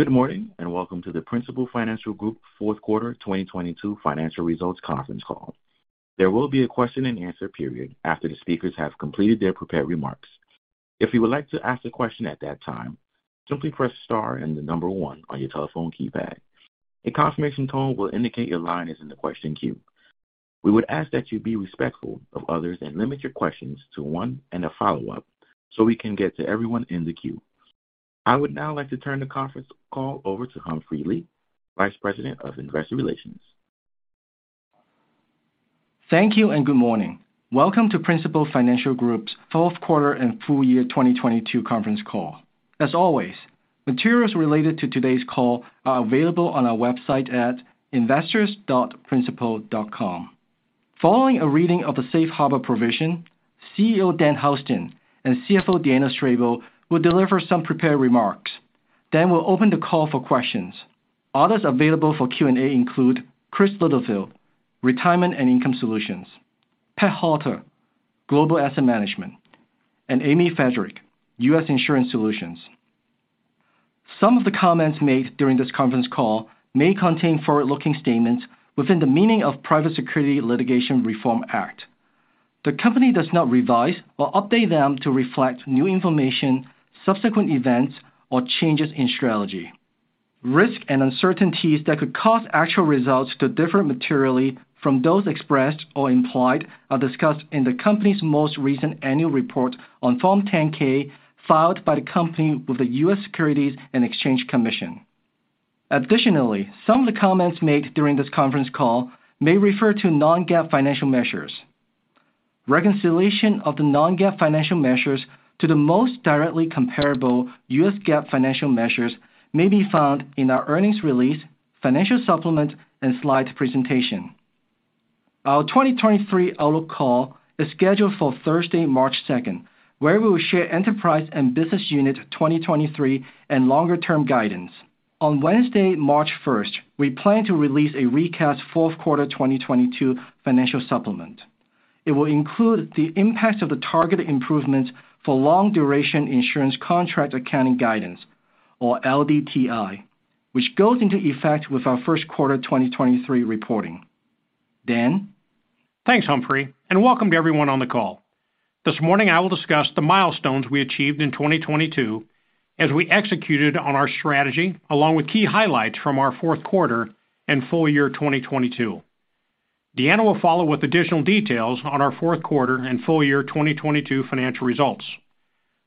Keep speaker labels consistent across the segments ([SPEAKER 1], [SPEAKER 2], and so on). [SPEAKER 1] Good morning. Welcome to the Principal Financial Group fourth quarter 2022 financial results conference call. There will be a question-and-answer period after the speakers have completed their prepared remarks. If you would like to ask a question at that time, simply press star and one on your telephone keypad. A confirmation tone will indicate your line is in the question queue. We would ask that you be respectful of others and limit your questions to one and a follow-up so we can get to everyone in the queue. I would now like to turn the conference call over to Humphrey Lee, Vice President of Investor Relations.
[SPEAKER 2] Thank you and good morning. Welcome to Principal Financial Group's fourth quarter and full year 2022 conference call. As always, materials related to today's call are available on our website at investors.principal.com. Following a reading of the safe harbor provision, CEO Dan Houston and CFO Deanna Strable will deliver some prepared remarks. Then we'll open the call for questions. Others available for Q&A include Chris Littlefield, Retirement and Income Solutions, Pat Halter, Principal Asset Management, and Amy Friedrich, U.S. Insurance Solutions. Some of the comments made during this conference call may contain forward-looking statements within the meaning of Private Securities Litigation Reform Act. The company does not revise or update them to reflect new information, subsequent events, or changes in strategy. Risk and uncertainties that could cause actual results to differ materially from those expressed or implied are discussed in the company's most recent annual report on Form 10-K filed by the company with the U.S. Securities and Exchange Commission. Additionally, some of the comments made during this conference call may refer to Non-GAAP financial measures. Reconciliation of the Non-GAAP financial measures to the most directly comparable U.S. GAAP financial measures may be found in our earnings release, financial supplement, and slide presentation. Our 2023 outlook call is scheduled for Thursday, March 2nd, where we will share enterprise and business unit 2023 and longer-term guidance. On Wednesday, March 1st, we plan to release a recast fourth quarter 2022 financial supplement. It will include the impact of the targeted improvements for long duration insurance contract accounting guidance, or LDTI, which goes into effect with our first quarter 2023 reporting. Dan?
[SPEAKER 3] Thanks, Humphrey. Welcome to everyone on the call. This morning, I will discuss the milestones we achieved in 2022 as we executed on our strategy along with key highlights from our fourth quarter and full year 2022. Deanna will follow with additional details on our fourth quarter and full year 2022 financial results,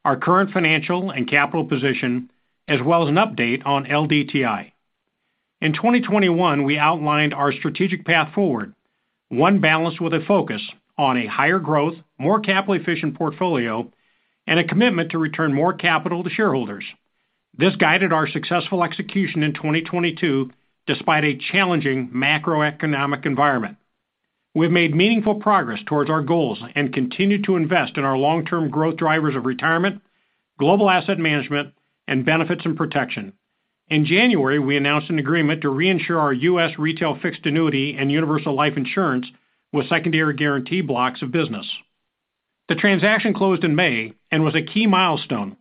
[SPEAKER 3] our current financial and capital position, as well as an update on LDTI. In 2021, we outlined our strategic path forward, one balanced with a focus on a higher growth, more capital-efficient portfolio, and a commitment to return more capital to shareholders. This guided our successful execution in 2022 despite a challenging macroeconomic environment. We've made meaningful progress towards our goals and continue to invest in our long-term growth drivers of retirement, global asset management, and benefits and protection. In January, we announced an agreement to reinsure our U.S. retail fixed annuity and universal life insurance with secondary guarantee blocks of business. The transaction closed in May and was a key milestone,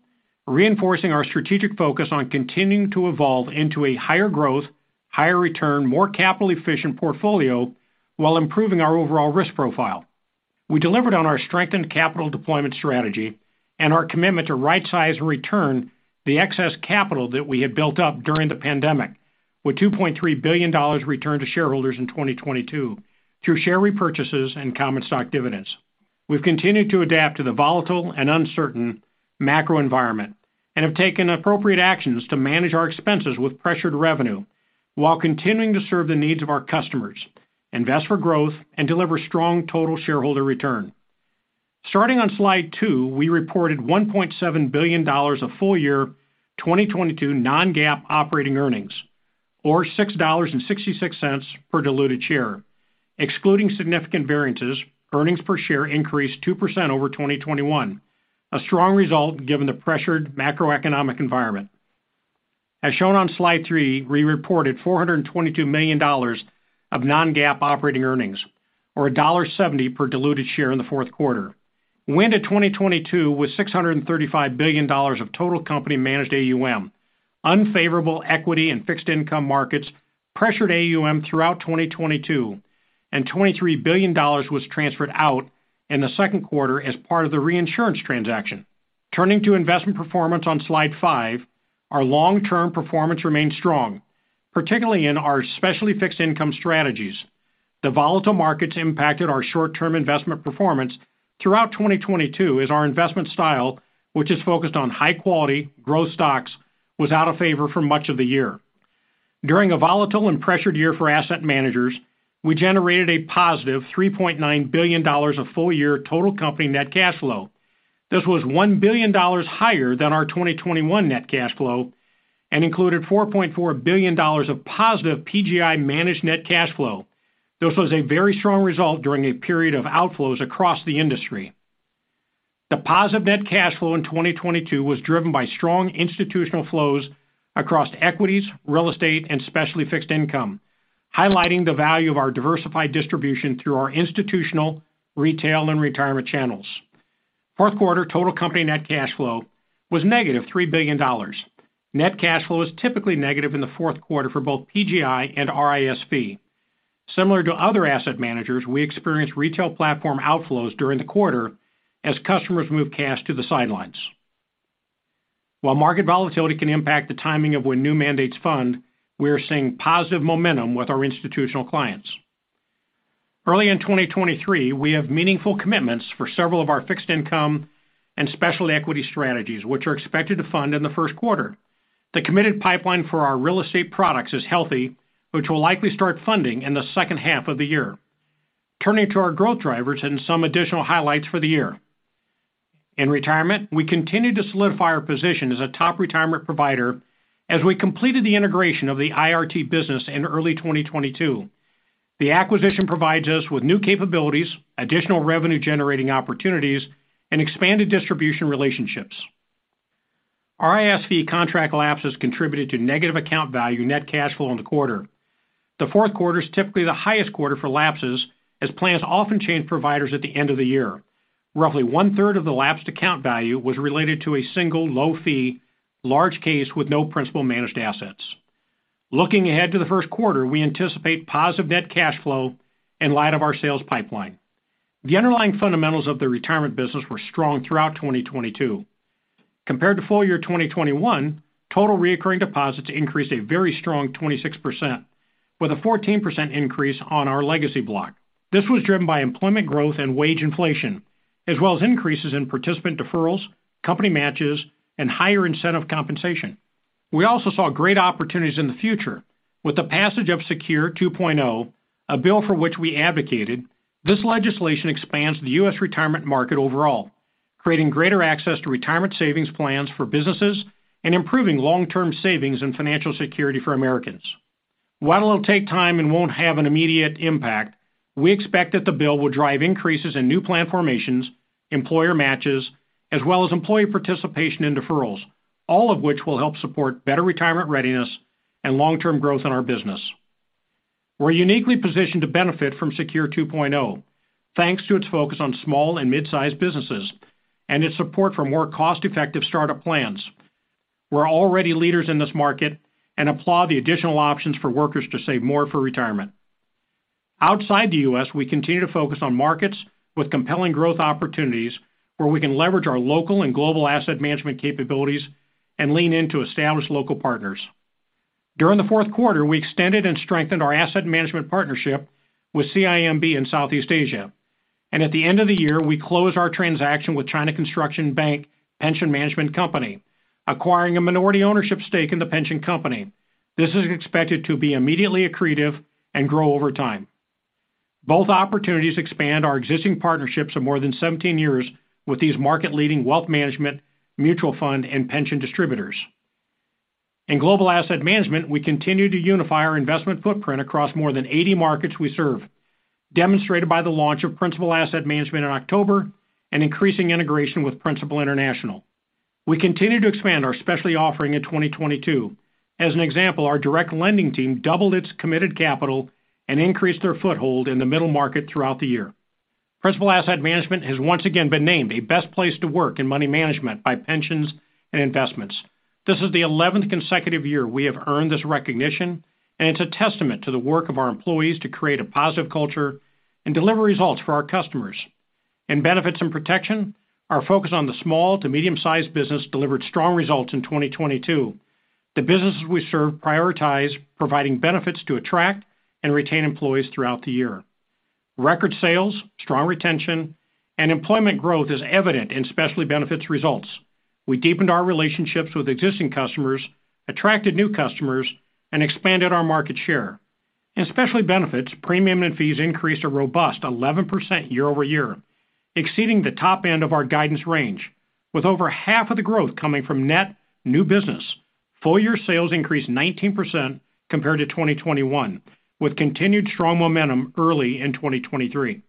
[SPEAKER 3] reinforcing our strategic focus on continuing to evolve into a higher growth, higher return, more capital-efficient portfolio while improving our overall risk profile. We delivered on our strengthened capital deployment strategy and our commitment to right-size and return the excess capital that we had built up during the pandemic, with $2.3 billion returned to shareholders in 2022 through share repurchases and common stock dividends. We've continued to adapt to the volatile and uncertain macro environment and have taken appropriate actions to manage our expenses with pressured revenue while continuing to serve the needs of our customers, invest for growth, and deliver strong total shareholder return. Starting on slide two, we reported $1.7 billion of full year 2022 Non-GAAP operating earnings, or $6.66 per diluted share. Excluding significant variances, earnings per share increased 2% over 2021, a strong result given the pressured macroeconomic environment. As shown on slide three, we reported $422 million of Non-GAAP operating earnings or $1.70 per diluted share in the fourth quarter. We ended 2022 with $635 billion of total company managed AUM. Unfavorable equity and fixed income markets pressured AUM throughout 2022, $23 billion was transferred out in the second quarter as part of the reinsurance transaction. Turning to investment performance on slide five, our long-term performance remained strong, particularly in our specialty fixed income strategies. The volatile markets impacted our short-term investment performance throughout 2022 as our investment style, which is focused on high quality growth stocks, was out of favor for much of the year. During a volatile and pressured year for asset managers, we generated a positive $3.9 billion of full year total company net cash flow. This was $1 billion higher than our 2021 net cash flow and included $4.4 billion of positive PGI managed net cash flow. This was a very strong result during a period of outflows across the industry. The positive net cash flow in 2022 was driven by strong institutional flows across equities, real estate, and specialty fixed income, highlighting the value of our diversified distribution through our institutional, retail, and retirement channels. Fourth quarter total company net cash flow was negative $3 billion. Net cash flow is typically negative in the fourth quarter for both PGI and RIS. Similar to other asset managers, we experienced retail platform outflows during the quarter as customers moved cash to the sidelines. While market volatility can impact the timing of when new mandates fund, we are seeing positive momentum with our institutional clients. Early in 2023, we have meaningful commitments for several of our fixed income and special equity strategies, which are expected to fund in the first quarter. The committed pipeline for our real estate products is healthy, which will likely start funding in the second half of the year. Turning to our growth drivers and some additional highlights for the year. In retirement, we continue to solidify our position as a top retirement provider as we completed the integration of the IRT business in early 2022. The acquisition provides us with new capabilities, additional revenue generating opportunities, and expanded distribution relationships. RISV contract lapses contributed to negative account value net cash flow in the quarter. The fourth quarter is typically the highest quarter for lapses, as plans often change providers at the end of the year. Roughly 1/3 of the lapsed account value was related to a single low-fee, large case with no Principal managed assets. Looking ahead to the first quarter, we anticipate positive net cash flow in light of our sales pipeline. The underlying fundamentals of the retirement business were strong throughout 2022. Compared to full year 2021, total reoccurring deposits increased a very strong 26%, with a 14% increase on our legacy block. This was driven by employment growth and wage inflation, as well as increases in participant deferrals, company matches, and higher incentive compensation. We also saw great opportunities in the future with the passage of SECURE 2.0, a bill for which we advocated. This legislation expands the U.S. retirement market overall, creating greater access to retirement savings plans for businesses and improving long-term savings and financial security for Americans. While it'll take time and won't have an immediate impact, we expect that the bill will drive increases in new plan formations, employer matches, as well as employee participation in deferrals, all of which will help support better retirement readiness and long-term growth in our business. We're uniquely positioned to benefit from SECURE 2.0 thanks to its focus on small and mid-sized businesses and its support for more cost-effective startup plans. We're already leaders in this market and applaud the additional options for workers to save more for retirement. Outside the U.S., we continue to focus on markets with compelling growth opportunities where we can leverage our local and global asset management capabilities and lean into established local partners. During the fourth quarter, we extended and strengthened our asset management partnership with CIMB in Southeast Asia. At the end of the year, we closed our transaction with China Construction Bank Pension Management Company, acquiring a minority ownership stake in the pension company. This is expected to be immediately accretive and grow over time. Both opportunities expand our existing partnerships of more than 17 years with these market-leading wealth management, mutual fund, and pension distributors. In global asset management, we continue to unify our investment footprint across more than 80 markets we serve, demonstrated by the launch of Principal Asset Management in October and increasing integration with Principal International. We continue to expand our specialty offering in 2022. As an example, our direct lending team doubled its committed capital and increased their foothold in the middle market throughout the year. Principal Asset Management has once again been named a best place to work in money management by Pensions & Investments. This is the eleventh consecutive year we have earned this recognition, and it's a testament to the work of our employees to create a positive culture and deliver results for our customers. In benefits and protection, our focus on the small to medium-sized business delivered strong results in 2022. The businesses we serve prioritize providing benefits to attract and retain employees throughout the year. Record sales, strong retention, and employment growth is evident in Specialty Benefits results. We deepened our relationships with existing customers, attracted new customers, and expanded our market share. In Specialty Benefits, premium and fees increased a robust 11% year-over-year, exceeding the top end of our guidance range, with over half of the growth coming from net new business. Full year sales increased 19% compared to 2021, with continued strong momentum early in 2023.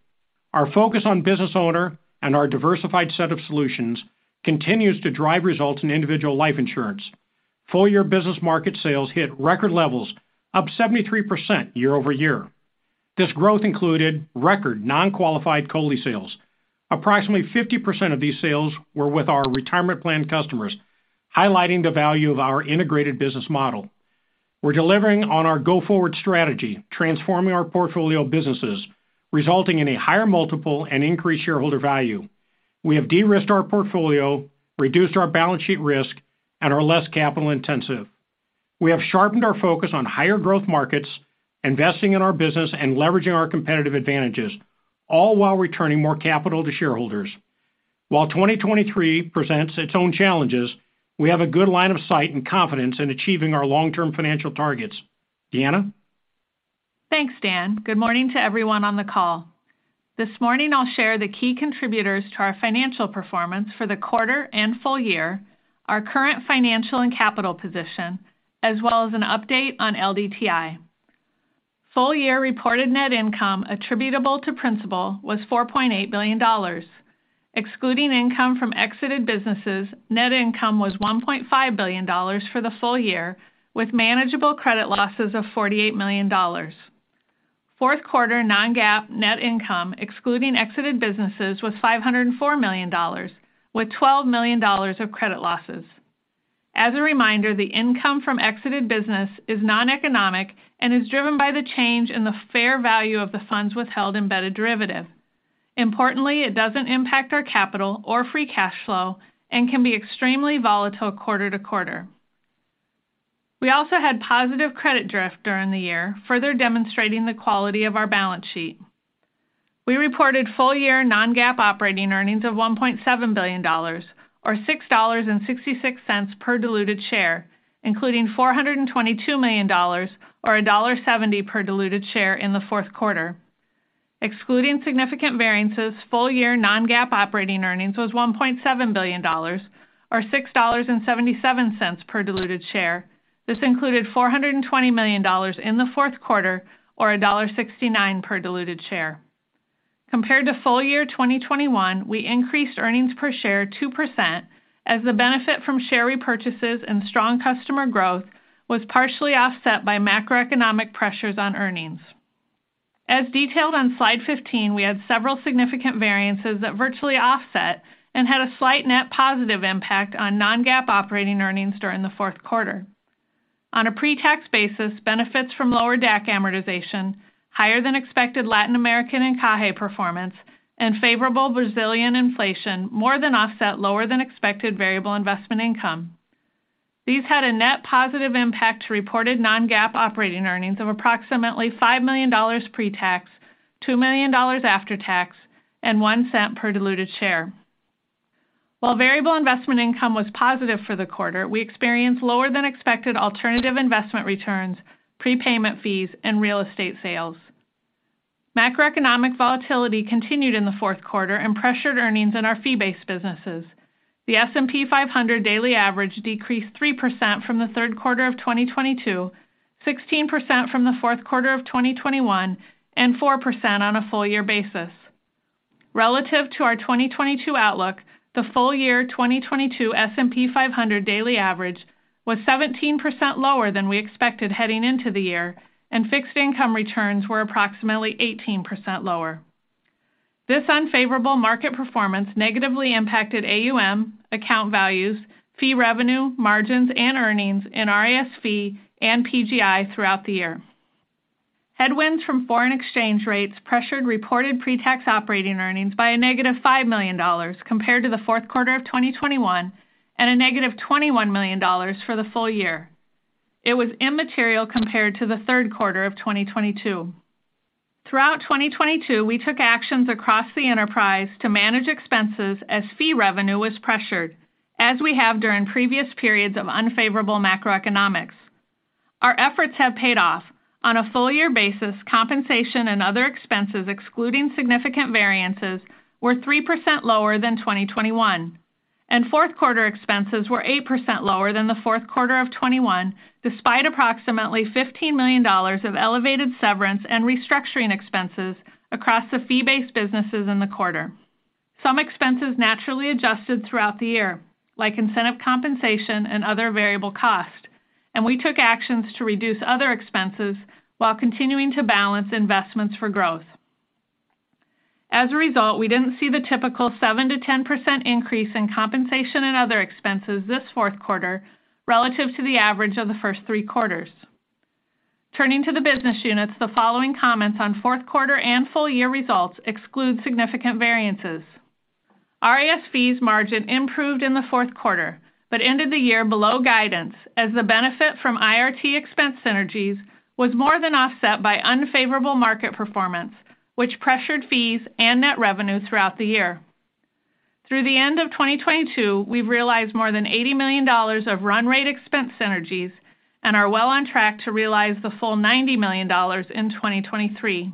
[SPEAKER 3] Our focus on business owner and our diversified set of solutions continues to drive results in individual life insurance. Full year business market sales hit record levels, up 73% year-over-year. This growth included record non-qualified COLI sales. Approximately 50% of these sales were with our retirement plan customers, highlighting the value of our integrated business model. We're delivering on our go-forward strategy, transforming our portfolio of businesses, resulting in a higher multiple and increased shareholder value. We have de-risked our portfolio, reduced our balance sheet risk, and are less capital-intensive. We have sharpened our focus on higher growth markets, investing in our business, and leveraging our competitive advantages, all while returning more capital to shareholders. While 2023 presents its own challenges, we have a good line of sight and confidence in achieving our long-term financial targets. Deanna?
[SPEAKER 4] Thanks, Dan. Good morning to everyone on the call. This morning I'll share the key contributors to our financial performance for the quarter and full year, our current financial and capital position, as well as an update on LDTI. Full year reported net income attributable to Principal was $4.8 billion. Excluding income from exited businesses, net income was $1.5 billion for the full year, with manageable credit losses of $48 million. Fourth quarter Non-GAAP net income excluding exited businesses was $504 million with $12 million of credit losses. As a reminder, the income from exited business is non-economic and is driven by the change in the fair value of the funds withheld embedded derivative. Importantly, it doesn't impact our capital or free cash flow and can be extremely volatile quarter-to-quarter. We also had positive credit drift during the year, further demonstrating the quality of our balance sheet. We reported full year Non-GAAP operating earnings of $1.7 billion or $6.66 per diluted share, including $422 million or $1.70 per diluted share in the fourth quarter. Excluding significant variances, full year Non-GAAP operating earnings was $1.7 billion or $6.77 per diluted share. This included $420 million in the fourth quarter or $1.69 per diluted share. Compared to full year 2021, we increased earnings per share 2% as the benefit from share repurchases and strong customer growth was partially offset by macroeconomic pressures on earnings. As detailed on slide 15, we had several significant variances that virtually offset and had a slight net positive impact on Non-GAAP operating earnings during the fourth quarter. On a pre-tax basis, benefits from lower DAC amortization, higher than expected Latin American and CAHE performance, and favorable Brazilian inflation more than offset lower than expected variable investment income. These had a net positive impact to reported Non-GAAP operating earnings of approximately $5 million pre-tax, $2 million after tax, and $0.01 per diluted share. While variable investment income was positive for the quarter, we experienced lower than expected alternative investment returns, prepayment fees, and real estate sales. Macroeconomic volatility continued in the fourth quarter and pressured earnings in our fee-based businesses. The S&P 500 daily average decreased 3% from the third quarter of 2022, 16% from the fourth quarter of 2021, and 4% on a full year basis. Relative to our 2022 outlook, the full year 2022 S&P 500 daily average was 17% lower than we expected heading into the year, and fixed income returns were approximately 18% lower. This unfavorable market performance negatively impacted AUM, account values, fee revenue, margins, and earnings in RIS-Fee and PGI throughout the year. Headwinds from foreign exchange rates pressured reported pre-tax operating earnings by a negative $5 million compared to the fourth quarter of 2021 and a negative $21 million for the full year. It was immaterial compared to the third quarter of 2022. Throughout 2022, we took actions across the enterprise to manage expenses as fee revenue was pressured, as we have during previous periods of unfavorable macroeconomics. Our efforts have paid off. On a full year basis, compensation and other expenses excluding significant variances were 3% lower than 2021, and fourth quarter expenses were 8% lower than the fourth quarter of 2021, despite approximately $15 million of elevated severance and restructuring expenses across the fee-based businesses in the quarter. Some expenses naturally adjusted throughout the year, like incentive compensation and other variable cost, and we took actions to reduce other expenses while continuing to balance investments for growth. As a result, we didn't see the typical 7%-10% increase in compensation and other expenses this fourth quarter relative to the average of the first three quarters. Turning to the business units, the following comments on fourth quarter and full year results exclude significant variances. RAS fees margin improved in the fourth quarter. Ended the year below guidance as the benefit from IRT expense synergies was more than offset by unfavorable market performance, which pressured fees and net revenue throughout the year. Through the end of 2022, we've realized more than $80 million of run rate expense synergies and are well on track to realize the full $90 million in 2023.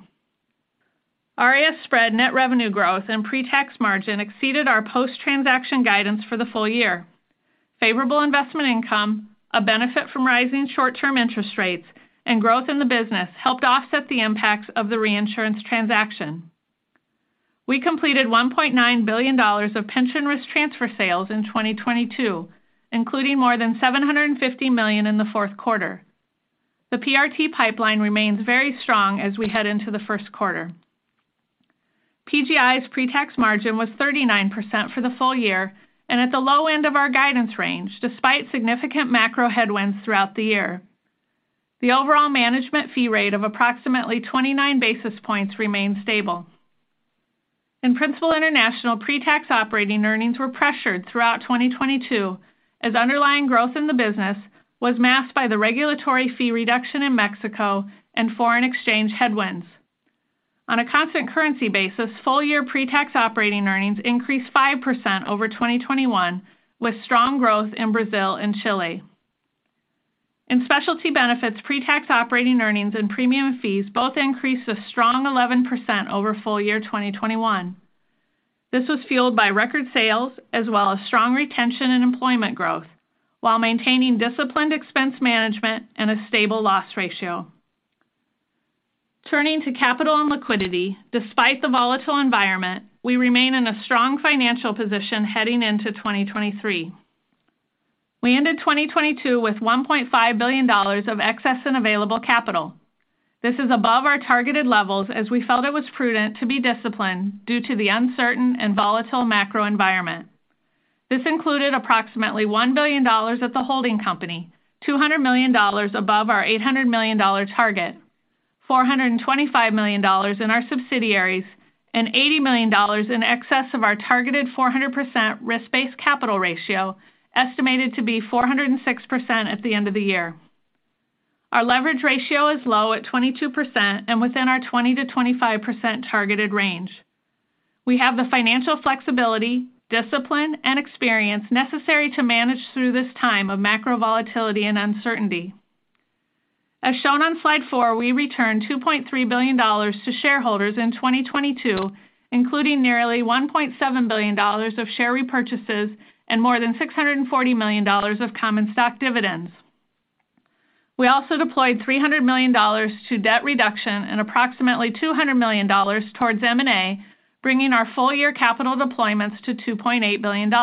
[SPEAKER 4] RAS spread net revenue growth and pre-tax margin exceeded our post-transaction guidance for the full year. Favorable investment income, a benefit from rising short-term interest rates, and growth in the business helped offset the impacts of the reinsurance transaction. We completed $1.9 billion of pension risk transfer sales in 2022, including more than $750 million in the fourth quarter. The PRT pipeline remains very strong as we head into the first quarter. PGI's pre-tax margin was 39% for the full year and at the low end of our guidance range, despite significant macro headwinds throughout the year. The overall management fee rate of approximately 29 basis points remains stable. In Principal International, pre-tax operating earnings were pressured throughout 2022 as underlying growth in the business was masked by the regulatory fee reduction in Mexico and foreign exchange headwinds. On a constant currency basis, full-year pre-tax operating earnings increased 5% over 2021, with strong growth in Brazil and Chile. In Specialty Benefits, pre-tax operating earnings and premium fees both increased a strong 11% over full year 2021. This was fueled by record sales as well as strong retention and employment growth while maintaining disciplined expense management and a stable loss ratio. Turning to capital and liquidity, despite the volatile environment, we remain in a strong financial position heading into 2023. We ended 2022 with $1.5 billion of excess and available capital. This is above our targeted levels as we felt it was prudent to be disciplined due to the uncertain and volatile macro environment. This included approximately $1 billion at the holding company, $200 million above our $800 million target, $425 million in our subsidiaries, and $80 million in excess of our targeted 400% risk-based capital ratio, estimated to be 406% at the end of the year. Our leverage ratio is low at 22% and within our 20%-25% targeted range. We have the financial flexibility, discipline, and experience necessary to manage through this time of macro volatility and uncertainty. As shown on slide four, we returned $2.3 billion to shareholders in 2022, including nearly $1.7 billion of share repurchases and more than $640 million of common stock dividends. We also deployed $300 million to debt reduction and approximately $200 million towards M&A, bringing our full year capital deployments to $2.8 billion.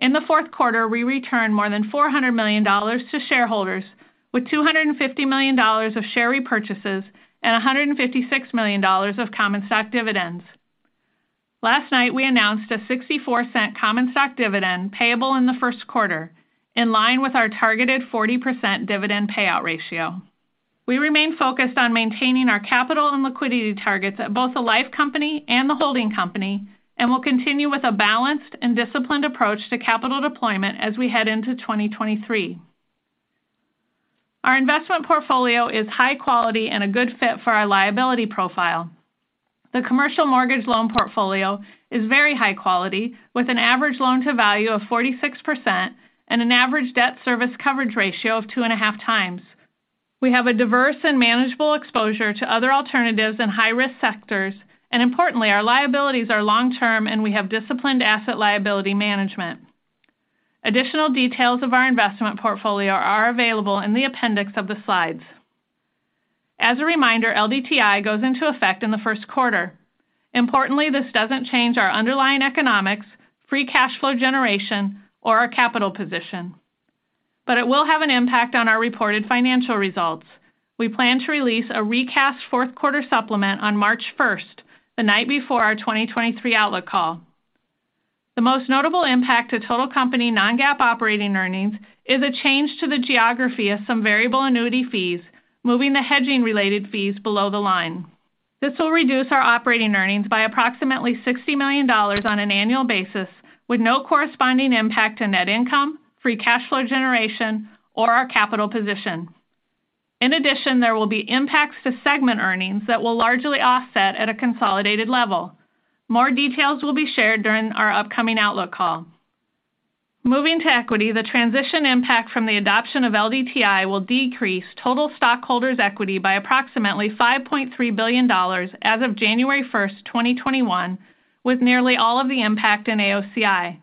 [SPEAKER 4] In the fourth quarter, we returned more than $400 million to shareholders with $250 million of share repurchases and $156 million of common stock dividends. Last night, we announced a $0.64 common stock dividend payable in the first quarter, in line with our targeted 40% dividend payout ratio. We remain focused on maintaining our capital and liquidity targets at both the Life Co and the Hold Co. We will continue with a balanced and disciplined approach to capital deployment as we head into 2023. Our investment portfolio is high quality and a good fit for our liability profile. The commercial mortgage loan portfolio is very high quality, with an average loan to value of 46% and an average debt service coverage ratio of 2.5x. We have a diverse and manageable exposure to other alternatives in high risk sectors. Importantly, our liabilities are long-term, and we have disciplined asset liability management. Additional details of our investment portfolio are available in the appendix of the slides. As a reminder, LDTI goes into effect in the first quarter. Importantly, this doesn't change our underlying economics, free cash flow generation, or our capital position, but it will have an impact on our reported financial results. We plan to release a recast fourth quarter supplement on March first, the night before our 2023 outlook call. The most notable impact to total company Non-GAAP operating earnings is a change to the geography of some variable annuity fees, moving the hedging related fees below the line. This will reduce our operating earnings by approximately $60 million on an annual basis, with no corresponding impact to net income, free cash flow generation, or our capital position. In addition, there will be impacts to segment earnings that will largely offset at a consolidated level. More details will be shared during our upcoming outlook call. Moving to equity, the transition impact from the adoption of LDTI will decrease total stockholders' equity by approximately $5.3 billion as of January 1, 2021, with nearly all of the impact in AOCI.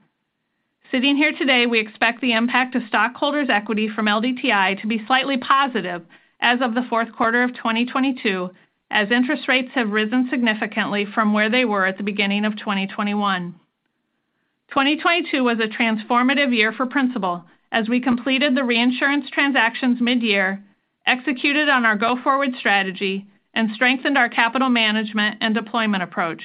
[SPEAKER 4] Sitting here today, we expect the impact of stockholders' equity from LDTI to be slightly positive as of the fourth quarter of 2022, as interest rates have risen significantly from where they were at the beginning of 2021. 2022 was a transformative year for Principal as we completed the reinsurance transactions mid-year, executed on our go-forward strategy, and strengthened our capital management and deployment approach.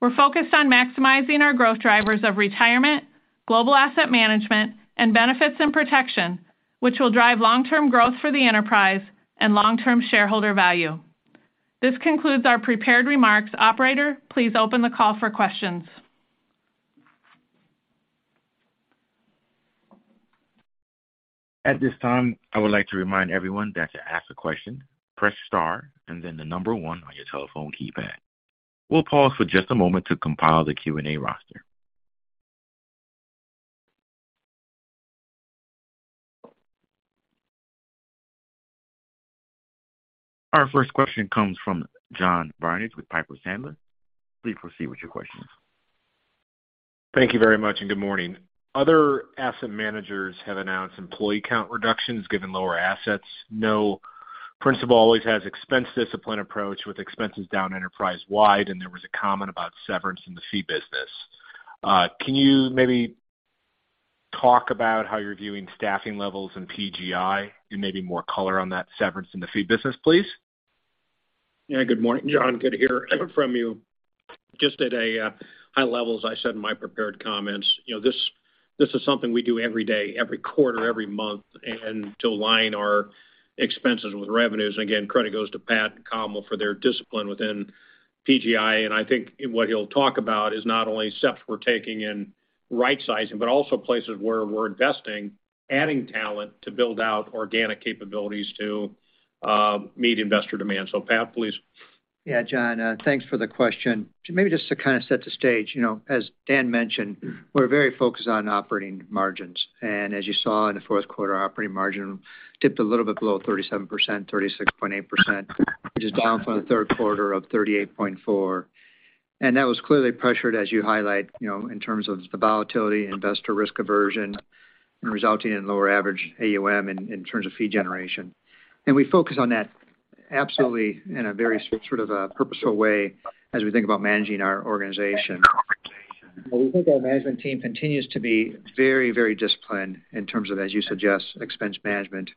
[SPEAKER 4] We're focused on maximizing our growth drivers of Retirement, global asset management, and Benefits and Protection, which will drive long-term growth for the enterprise and long-term shareholder value. This concludes our prepared remarks. Operator, please open the call for questions.
[SPEAKER 1] At this time, I would like to remind everyone that to ask a question, press star and then the number one on your telephone keypad. We'll pause for just a moment to compile the Q&A roster. Our first question comes from John Barnidge with Piper Sandler. Please proceed with your questions.
[SPEAKER 5] Thank you very much, and good morning. Other asset managers have announced employee count reductions given lower assets. Know Principal always has expense discipline approach with expenses down enterprise wide, and there was a comment about severance in the fee business. Can you maybe talk about how you're viewing staffing levels in PGI and maybe more color on that severance in the fee business, please?
[SPEAKER 3] Yeah, good morning, John. Good to hear from you. Just at a high level, as I said in my prepared comments, you know, this is something we do every day, every quarter, every month, to align our expenses with revenues. Again, credit goes to Pat and Kamal for their discipline within PGI. I think what he'll talk about is not only steps we're taking in right sizing, but also places where we're investing, adding talent to build out organic capabilities to meet investor demand. Pat, please.
[SPEAKER 6] Yeah, John, thanks for the question. Maybe just to kind of set the stage. You know, as Dan mentioned, we're very focused on operating margins. As you saw in the fourth quarter, operating margin tipped a little bit below 37%, 36.8%, which is down from the third quarter of 38.4%. That was clearly pressured, as you highlight, you know, in terms of the volatility, investor risk aversion, and resulting in lower average AUM in terms of fee generation. We focus on that Absolutely, in a very sort of a purposeful way as we think about managing our organization. Well, we think our management team continues to be very, very disciplined in terms of, as you suggest, expense management,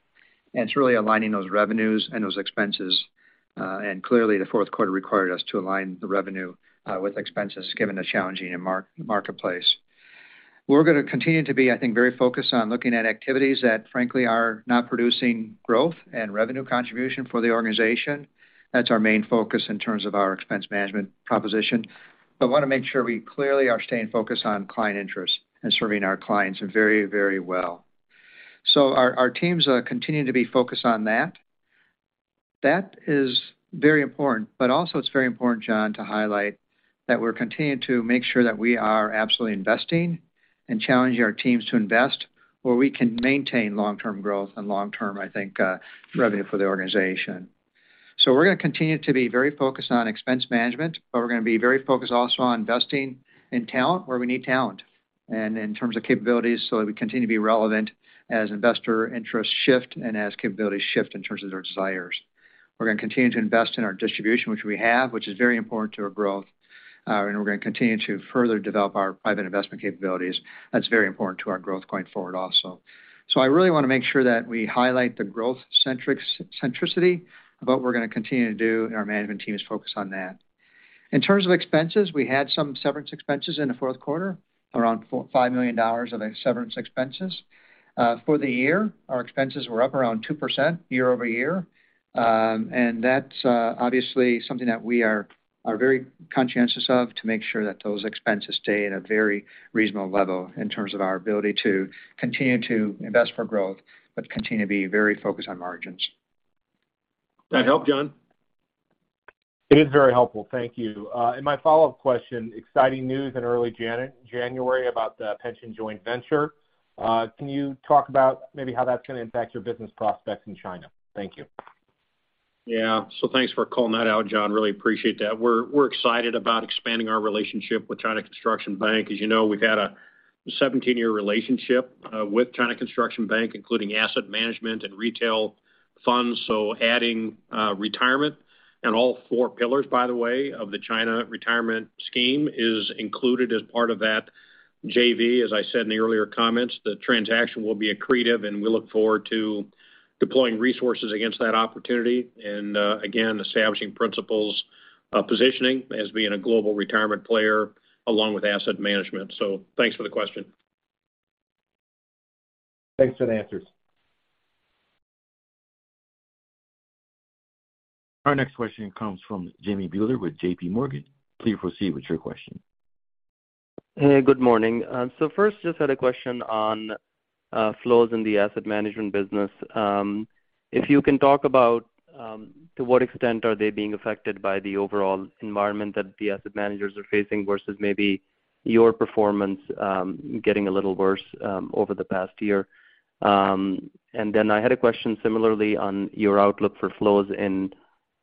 [SPEAKER 6] and it's really aligning those revenues and those expenses. Clearly, the fourth quarter required us to align the revenue with expenses given the challenging marketplace. We're gonna continue to be, I think, very focused on looking at activities that frankly are not producing growth and revenue contribution for the organization. That's our main focus in terms of our expense management proposition. Wanna make sure we clearly are staying focused on client interests and serving our clients very, very well. Our teams continue to be focused on that. That is very important. It's very important, John, to highlight that we're continuing to make sure that we are absolutely investing and challenging our teams to invest where we can maintain long-term growth and long-term, I think, revenue for the organization. We're gonna continue to be very focused on expense management. We're gonna be very focused also on investing in talent where we need talent, and in terms of capabilities, so that we continue to be relevant as investor interests shift and as capabilities shift in terms of their desires. We're gonna continue to invest in our distribution, which we have, which is very important to our growth. We're gonna continue to further develop our private investment capabilities. That's very important to our growth going forward also. I really want to make sure that we highlight the growth centricity of what we're going to continue to do, and our management team is focused on that. In terms of expenses, we had some severance expenses in the fourth quarter, around $4 million-$5 million of severance expenses. For the year, our expenses were up around 2% year-over-year. And that's obviously something that we are very conscientious of to make sure that those expenses stay at a very reasonable level in terms of our ability to continue to invest for growth, but continue to be very focused on margins.
[SPEAKER 3] That help, John?
[SPEAKER 5] It is very helpful. Thank you. My follow-up question, exciting news in early January about the pension joint venture. Can you talk about maybe how that's gonna impact your business prospects in China? Thank you.
[SPEAKER 3] Yeah. Thanks for calling that out, John. Really appreciate that. We're excited about expanding our relationship with China Construction Bank. As you know, we've had a 17-year relationship with China Construction Bank, including asset management and retail funds. Adding retirement and all four pillars, by the way, of the China retirement scheme is included as part of that JV. As I said in the earlier comments, the transaction will be accretive, and we look forward to deploying resources against that opportunity and again, establishing Principal's positioning as being a global retirement player along with asset management. Thanks for the question.
[SPEAKER 5] Thanks for the answers.
[SPEAKER 1] Our next question comes from Jimmy Bhullar with JPMorgan. Please proceed with your question.
[SPEAKER 7] Hey, good morning. First, just had a question on flows in the asset management business. If you can talk about to what extent are they being affected by the overall environment that the asset managers are facing versus maybe your performance getting a little worse over the past year. I had a question similarly on your outlook for flows in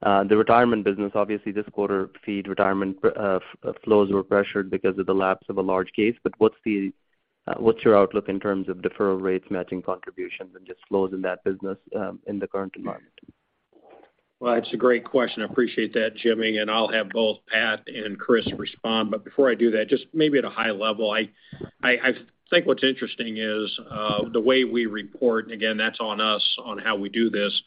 [SPEAKER 7] the retirement business. Obviously, this quarter feed retirement flows were pressured because of the lapse of a large case. What's the what's your outlook in terms of deferral rates, matching contributions, and just flows in that business in the current environment?
[SPEAKER 3] It's a great question. Appreciate that, Jimmy, and I'll have both Pat and Chris respond. Before I do that, just maybe at a high level, I think what's interesting is the way we report, and again, that's on us on how we do this,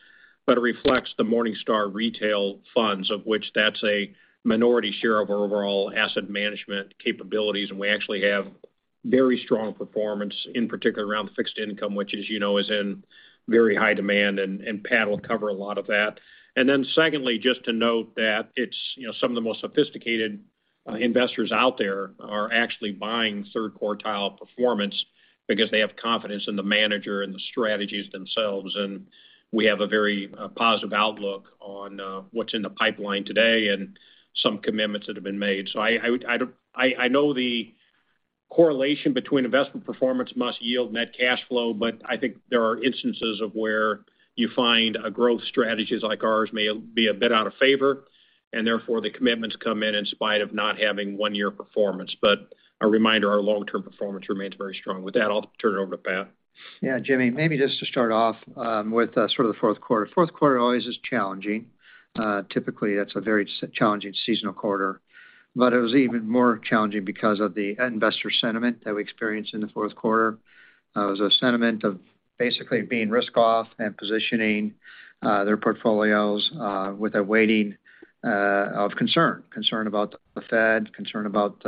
[SPEAKER 3] but it reflects the Morningstar retail funds, of which that's a minority share of our overall asset management capabilities, and we actually have very strong performance, in particular, around the fixed income, which as you know, is in very high demand, and Pat will cover a lot of that. Secondly, just to note that it's, you know, some of the most sophisticated investors out there are actually buying third quartile performance because they have confidence in the manager and the strategies themselves. We have a very positive outlook on what's in the pipeline today and some commitments that have been made. I know the correlation between investment performance must yield net cash flow, but I think there are instances of where you find a growth strategies like ours may be a bit out of favor, and therefore the commitments come in in spite of not having 1-year performance. A reminder, our long-term performance remains very strong. With that, I'll turn it over to Pat.
[SPEAKER 6] Yeah, Jimmy, maybe just to start off with sort of the fourth quarter. Fourth quarter always is challenging. Typically, that's a very challenging seasonal quarter. It was even more challenging because of the investor sentiment that we experienced in the fourth quarter. It was a sentiment of basically being risk off and positioning their portfolios with a weighting of concern about the Fed, concern about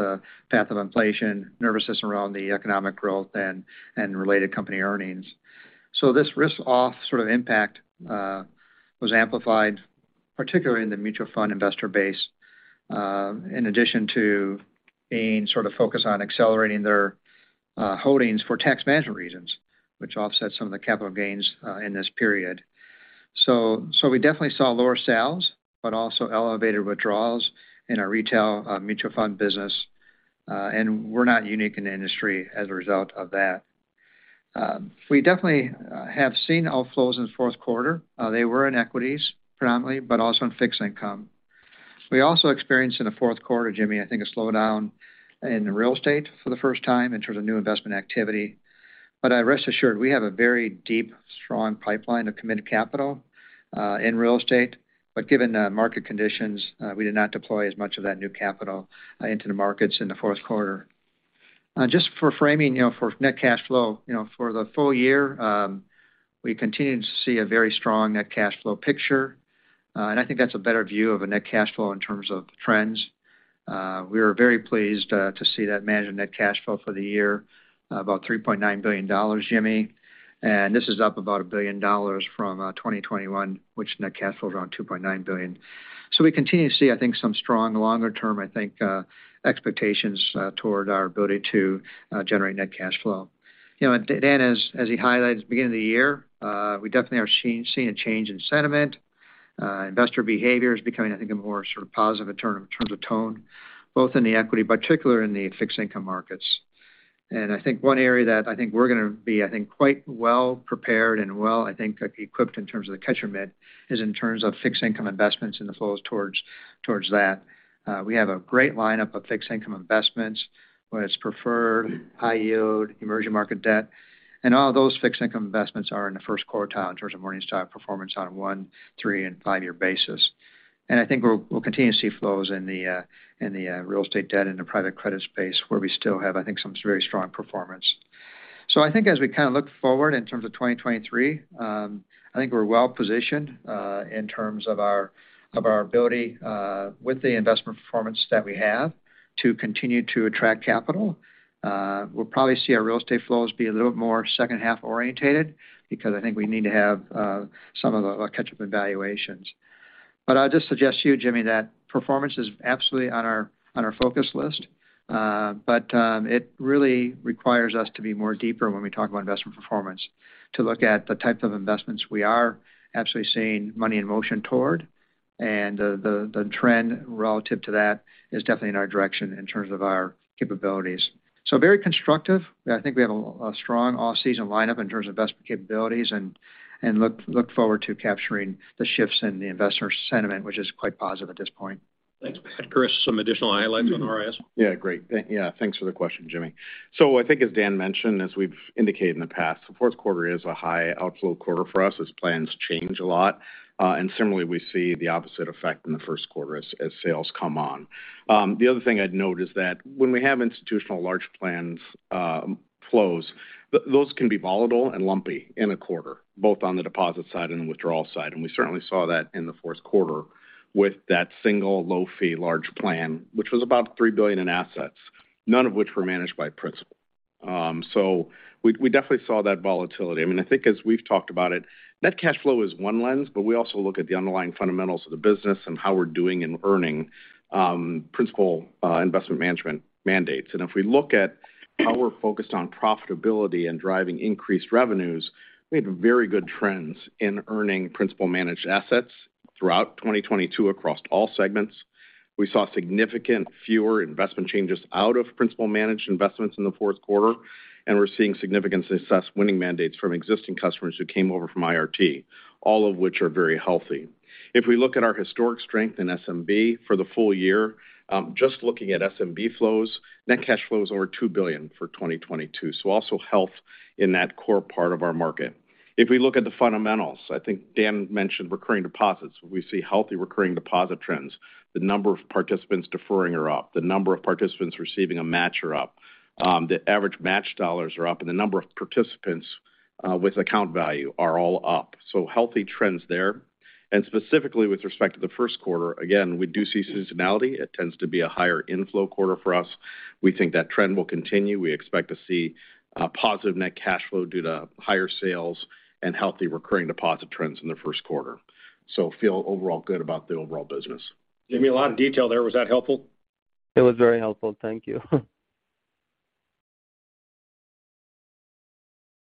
[SPEAKER 6] path of inflation, nervousness around the economic growth and related company earnings. This risk off sort of impact was amplified, particularly in the mutual fund investor base, in addition to being sort of focused on accelerating their holdings for tax management reasons, which offset some of the capital gains in this period. We definitely saw lower sales, but also elevated withdrawals in our retail mutual fund business, and we're not unique in the industry as a result of that. We definitely have seen outflows in the fourth quarter. They were in equities predominantly, but also in fixed income. We also experienced in the fourth quarter, Jimmy Bhullar, I think a slowdown in real estate for the first time in terms of new investment activity. Rest assured, we have a very deep, strong pipeline of committed capital in real estate. Given the market conditions, we did not deploy as much of that new capital into the markets in the fourth quarter. Just for framing, you know, for net cash flow, you know, for the full year, we continue to see a very strong net cash flow picture. I think that's a better view of a net cash flow in terms of trends. We are very pleased to see that managed net cash flow for the year, about $3.9 billion, Jimmy. This is up about $1 billion from 2021, which net cash flow is around $2.9 billion. We continue to see, I think, some strong longer term, I think, expectations toward our ability to generate net cash flow. You know, Dan, as he highlighted at the beginning of the year, we definitely are seeing a change in sentiment. Investor behavior is becoming, I think, a more sort of positive in terms of tone, both in the equity, but particularly in the fixed income markets. One area that we're gonna be quite well prepared and well equipped in terms of the catchment is in terms of fixed income investments and the flows towards that. We have a great lineup of fixed income investments, whether it's preferred, high yield, emerging market debt, and all those fixed income investments are in the first quartile in terms of Morningstar performance on one, three, and five-year basis. We'll continue to see flows in the real estate debt in the private credit space where we still have some very strong performance. I think as we kind of look forward in terms of 2023, I think we're well-positioned in terms of our, of our ability, with the investment performance that we have to continue to attract capital. We'll probably see our real estate flows be a little more second half orientated because I think we need to have some of the catch up evaluations. I'll just suggest to you, Jimmy, that performance is absolutely on our, on our focus list. It really requires us to be more deeper when we talk about investment performance to look at the type of investments we are absolutely seeing money in motion toward. The trend relative to that is definitely in our direction in terms of our capabilities. Very constructive. I think we have a strong off-season lineup in terms of investment capabilities and look forward to capturing the shifts in the investor sentiment, which is quite positive at this point.
[SPEAKER 3] Thanks, Pat. Chris, some additional highlights on RIS?
[SPEAKER 8] Yeah, great. Yeah, thanks for the question, Jimmy. I think as Dan mentioned, as we've indicated in the past, the fourth quarter is a high outflow quarter for us as plans change a lot. Similarly, we see the opposite effect in the first quarter as sales come on. The other thing I'd note is that when we have institutional large plans, flows, those can be volatile and lumpy in a quarter, both on the deposit side and withdrawal side. We certainly saw that in the fourth quarter with that single low fee large plan, which was about $3 billion in assets, none of which were managed by Principal. So we definitely saw that volatility. I mean, I think as we've talked about it, net cash flow is one lens, but we also look at the underlying fundamentals of the business and how we're doing in earning Principal investment management mandates. If we look at how we're focused on profitability and driving increased revenues, we have very good trends in earning Principal managed assets throughout 2022 across all segments. We saw significant fewer investment changes out of Principal managed investments in the fourth quarter, and we're seeing significant success winning mandates from existing customers who came over from IRT, all of which are very healthy. If we look at our historic strength in SMB for the full year, just looking at SMB flows, net cash flow is over $2 billion for 2022. Also health in that core part of our market. If we look at the fundamentals, I think Dan mentioned recurring deposits. We see healthy recurring deposit trends. The number of participants deferring are up. The number of participants receiving a match are up. The average match dollars are up, and the number of participants with account value are all up. Healthy trends there. Specifically with respect to the first quarter, again, we do see seasonality. It tends to be a higher inflow quarter for us. We think that trend will continue. We expect to see positive net cash flow due to higher sales and healthy recurring deposit trends in the first quarter. Feel overall good about the overall business.
[SPEAKER 3] Jimmy, a lot of detail there. Was that helpful?
[SPEAKER 7] It was very helpful. Thank you.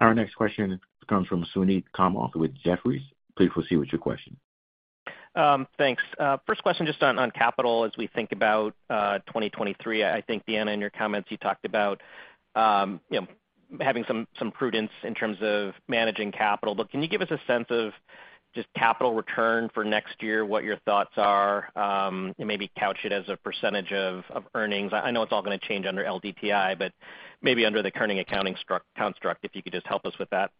[SPEAKER 1] Our next question comes from Suneet Kamath with Jefferies. Please proceed with your question.
[SPEAKER 9] Thanks. First question just on capital as we think about 2023. I think, Deanna, in your comments, you talked about, you know, having some prudence in terms of managing capital. Can you give us a sense of just capital return for next year, what your thoughts are, and maybe couch it as a % of earnings? I know it's all gonna change under LDTI, but maybe under the current accounting construct, if you could just help us with that.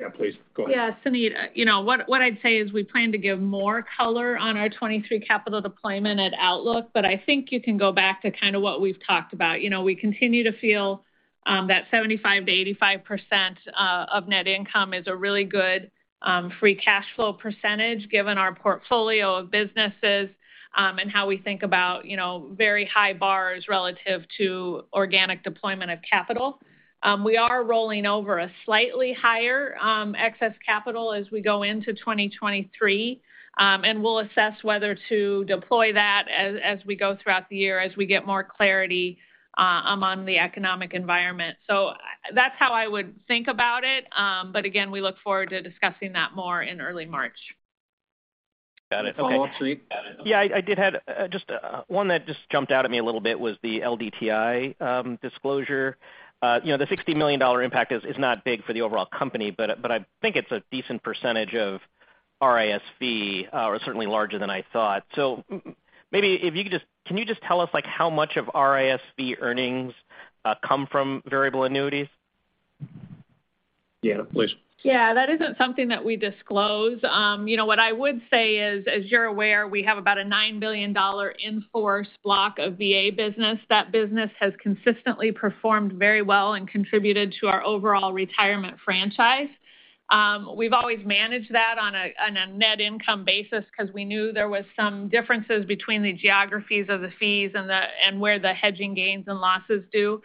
[SPEAKER 3] Yeah, please go ahead.
[SPEAKER 4] Suneet, you know, what I'd say is we plan to give more color on our 2023 capital deployment at Outlook. I think you can go back to kind of what we've talked about. You know, we continue to feel that 75%-85% of net income is a really good free cash flow percentage given our portfolio of businesses, and how we think about, you know, very high bars relative to organic deployment of capital. We are rolling over a slightly higher excess capital as we go into 2023, and we'll assess whether to deploy that as we go throughout the year as we get more clarity among the economic environment. That's how I would think about it. Again, we look forward to discussing that more in early March.
[SPEAKER 9] Got it. Okay.
[SPEAKER 3] Follow-up, Suneet?
[SPEAKER 9] Yeah, I did have just one that just jumped out at me a little bit was the LDTI disclosure. You know, the $60 million impact is not big for the overall company, but I think it's a decent percentage of RISV are certainly larger than I thought. Maybe if you could just tell us, like, how much of RISV earnings come from variable annuities?
[SPEAKER 3] Yeah, please.
[SPEAKER 4] Yeah, that isn't something that we disclose. You know, what I would say is, as you're aware, we have about a $9 billion in force block of VA business. That business has consistently performed very well and contributed to our overall retirement franchise. We've always managed that on a net income basis 'cause we knew there was some differences between the geographies of the fees and where the hedging gains and losses do.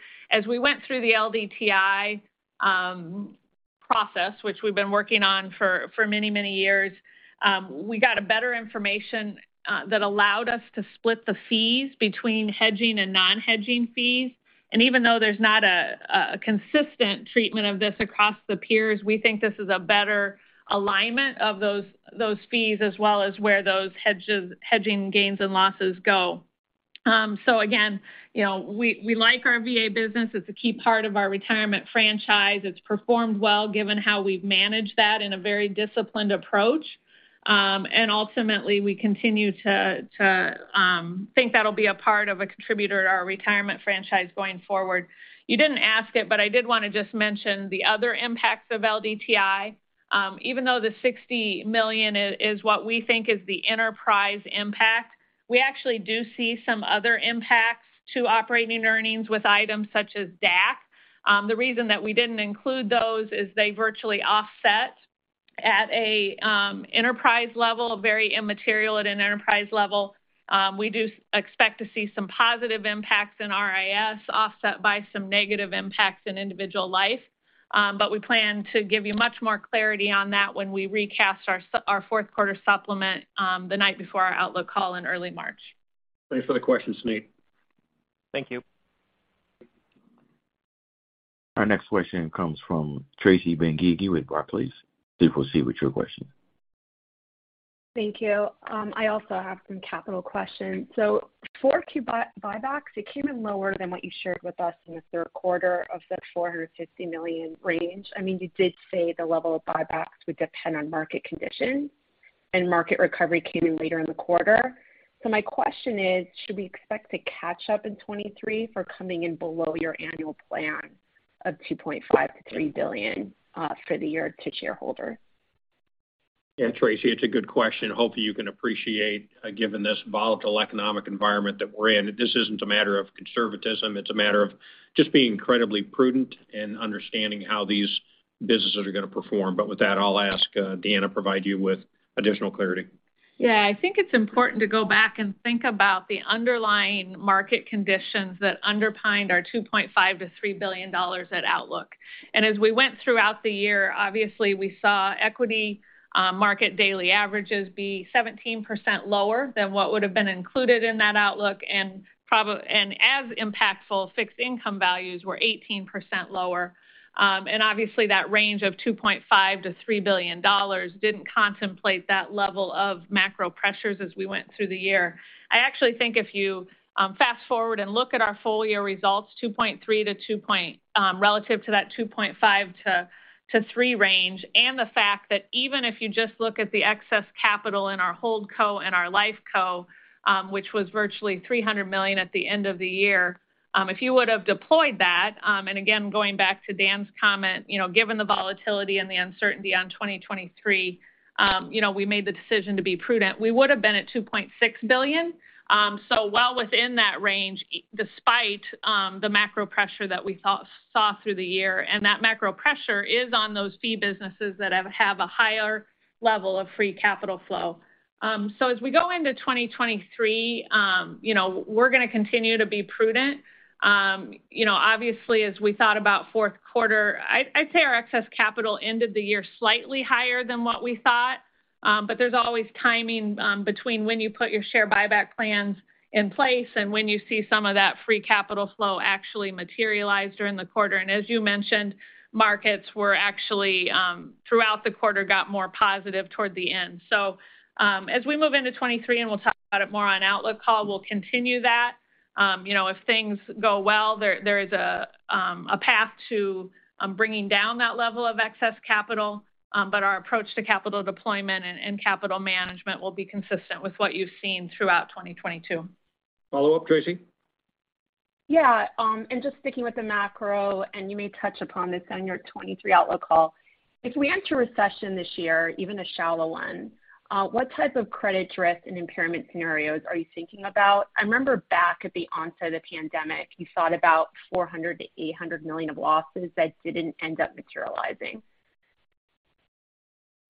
[SPEAKER 4] We went through the LDTI process, which we've been working on for many, many years, we got a better information that allowed us to split the fees between hedging and non-hedging fees. Even though there's not a consistent treatment of this across the peers, we think this is a better alignment of those fees as well as where those hedging gains and losses go. Again, you know, we like our VA business. It's a key part of our retirement franchise. It's performed well given how we've managed that in a very disciplined approach. Ultimately, we continue to think that'll be a part of a contributor to our retirement franchise going forward. You didn't ask it, but I did wanna just mention the other impacts of LDTI. Even though the $60 million is what we think is the enterprise impact, we actually do see some other impacts to operating earnings with items such as DAC. The reason that we didn't include those is they virtually offset at a enterprise level, very immaterial at an enterprise level. We do expect to see some positive impacts in RIS offset by some negative impacts in individual life. We plan to give you much more clarity on that when we recast our fourth quarter supplement, the night before our outlook call in early March.
[SPEAKER 3] Thanks for the question, Suneet.
[SPEAKER 9] Thank you.
[SPEAKER 1] Our next question comes from Tracy Benguigui with Barclays. Please proceed with your question.
[SPEAKER 10] Thank you. I also have some capital questions. For Q buybacks, it came in lower than what you shared with us in the third quarter of the $450 million range. I mean, you did say the level of buybacks would depend on market conditions, and market recovery came in later in the quarter. My question is: should we expect to catch up in 2023 for coming in below your annual plan of $2.5 billion-$3 billion, for the year to shareholder?
[SPEAKER 3] Yeah, Tracy, it's a good question. Hopefully, you can appreciate, given this volatile economic environment that we're in, this isn't a matter of conservatism, it's a matter of just being incredibly prudent in understanding how these businesses are gonna perform. With that, I'll ask, Deanna to provide you with additional clarity.
[SPEAKER 4] I think it's important to go back and think about the underlying market conditions that underpinned our $2.5 billion-$3 billion outlook. As we went throughout the year, obviously, we saw equity market daily averages be 17% lower than what would have been included in that outlook, and as impactful fixed income values were 18% lower. Obviously, that range of $2.5 billion-$3 billion didn't contemplate that level of macro pressures as we went through the year. I actually think if you fast-forward and look at our full year results, $2.3 billion-$2.0 billion, relative to that $2.5 billion-$3 billion range, and the fact that even if you just look at the excess capital in our Hold Co and our Life Co, which was virtually $300 million at the end of the year, if you would have deployed that, and again, going back to Dan's comment, you know, given the volatility and the uncertainty on 2023, you know, we made the decision to be prudent. We would have been at $2.6 billion, so well within that range, despite the macro pressure that we saw through the year, and that macro pressure is on those fee businesses that have a higher level of free capital flow. As we go into 2023, you know, we're gonna continue to be prudent. You know, obviously, as we thought about fourth quarter, I'd say our excess capital ended the year slightly higher than what we thought, but there's always timing between when you put your share buyback plans in place and when you see some of that free capital flow actually materialize during the quarter. As you mentioned, markets were actually throughout the quarter, got more positive toward the end. As we move into 2023, and we'll talk about it more on outlook call, we'll continue that. You know, if things go well, there is a path to bringing down that level of excess capital, but our approach to capital deployment and capital management will be consistent with what you've seen throughout 2022.
[SPEAKER 3] Follow-up, Tracy?
[SPEAKER 10] Yeah. Just sticking with the macro, and you may touch upon this on your 2023 outlook call. If we enter recession this year, even a shallow one, what type of credit drift and impairment scenarios are you thinking about? I remember back at the onset of the pandemic, you thought about $400 million-$800 million of losses that didn't end up materializing.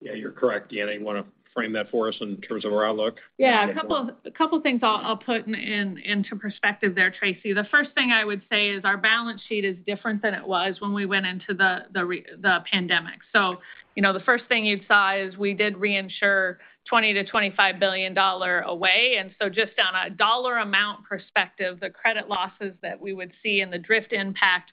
[SPEAKER 3] Yeah, you're correct. Deanna, you wanna frame that for us in terms of our outlook?
[SPEAKER 4] A couple things I'll put into perspective there, Tracy. The first thing I would say is our balance sheet is different than it was when we went into the pandemic. You know, the first thing you'd saw is we did reinsure $20 billion-$25 billion away. Just on a dollar amount perspective, the credit losses that we would see and the drift impact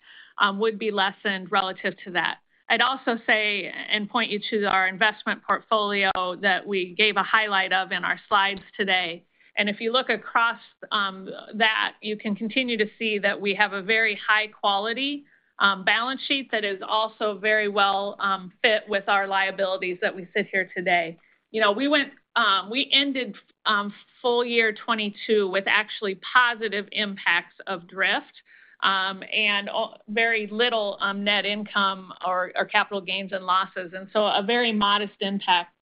[SPEAKER 4] would be lessened relative to that. I'd also say and point you to our investment portfolio that we gave a highlight of in our slides today. If you look across that, you can continue to see that we have a very high quality balance sheet that is also very well fit with our liabilities that we sit here today. You know, we went, we ended full year 2022 with actually positive impacts of drift, very little, net income or capital gains and losses, and so a very modest impact.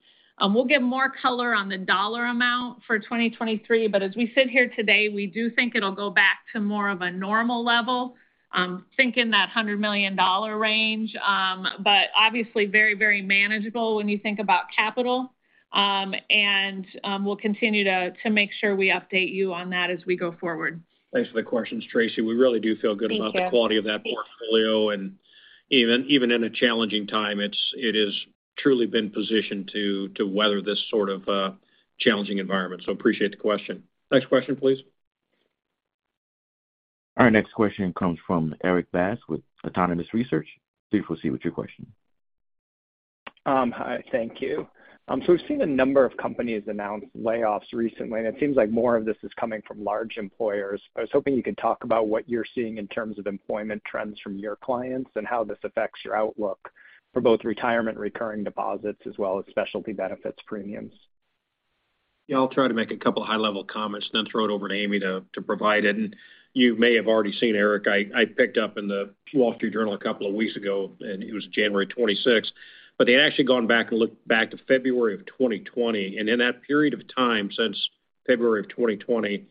[SPEAKER 4] We'll get more color on the dollar amount for 2023, but as we sit here today, we do think it'll go back to more of a normal level. Think in that $100 million range, but obviously very, very manageable when you think about capital. We'll continue to make sure we update you on that as we go forward.
[SPEAKER 3] Thanks for the questions, Tracy. We really do feel good.
[SPEAKER 10] Thank you.
[SPEAKER 3] about the quality of that portfolio, and even in a challenging time, it has truly been positioned to weather this sort of challenging environment. Appreciate the question. Next question, please.
[SPEAKER 1] Our next question comes from Erik Bass with Autonomous Research. Please proceed with your question.
[SPEAKER 11] Hi, thank you. We've seen a number of companies announce layoffs recently, and it seems like more of this is coming from large employers. I was hoping you could talk about what you're seeing in terms of employment trends from your clients and how this affects your outlook for both retirement recurring deposits as well as Specialty Benefits premiums.
[SPEAKER 3] Yeah, I'll try to make a couple high-level comments and then throw it over to Amy to provide it. You may have already seen Erik, I picked up in The Wall Street Journal a couple of weeks ago, and it was January 26th, but they had actually gone back and looked back to February of 2020. In that period of time since February of 2020,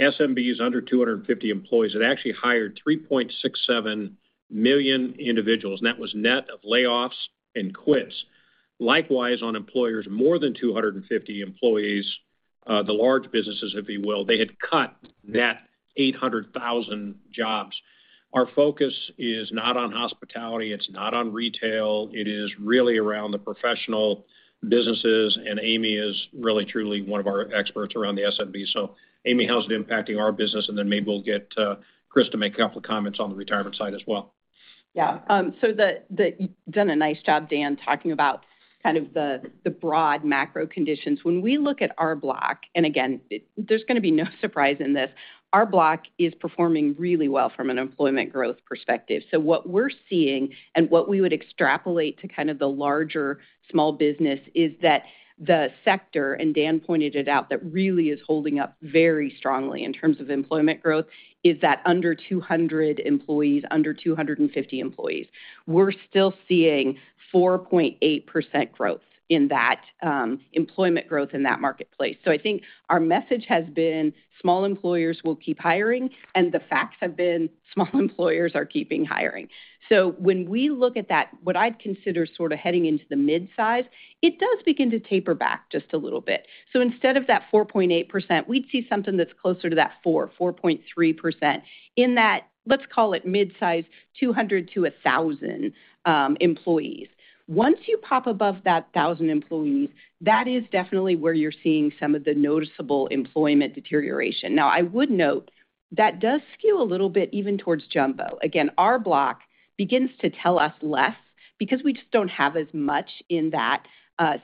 [SPEAKER 3] SMBs under 250 employees had actually hired 3.67 million individuals, and that was net of layoffs and quits. Likewise, on employers more than 250 employees, the large businesses, if you will, they had cut net 800,000 jobs. Our focus is not on hospitality, it's not on retail. It is really around the professional businesses, and Amy is really truly one of our experts around the SMB. Amy, how's it impacting our business? Maybe we'll get Chris to make a couple of comments on the retirement side as well.
[SPEAKER 12] Yeah. You've done a nice job, Dan, talking about kind of the broad macro conditions. When we look at our block, and again, there's gonna be no surprise in this, our block is performing really well from an employment growth perspective. What we're seeing and what we would extrapolate to kind of the larger small business is that the sector, and Dan pointed it out, that really is holding up very strongly in terms of employment growth is that under 200 employees, under 250 employees. We're still seeing 4.8% growth in that employment growth in that marketplace. I think our message has been small employers will keep hiring, and the facts have been small employers are keeping hiring. When we look at that, what I'd consider sort of heading into the mid-size, it does begin to taper back just a little bit. Instead of that 4.8%, we'd see something that's closer to that 4%-4.3% in that, let's call it mid-size, 200-1,000 employees. Once you pop above that 1,000 employees, that is definitely where you're seeing some of the noticeable employment deterioration. I would note that does skew a little bit even towards jumbo. Again, our block begins to tell us less because we just don't have as much in that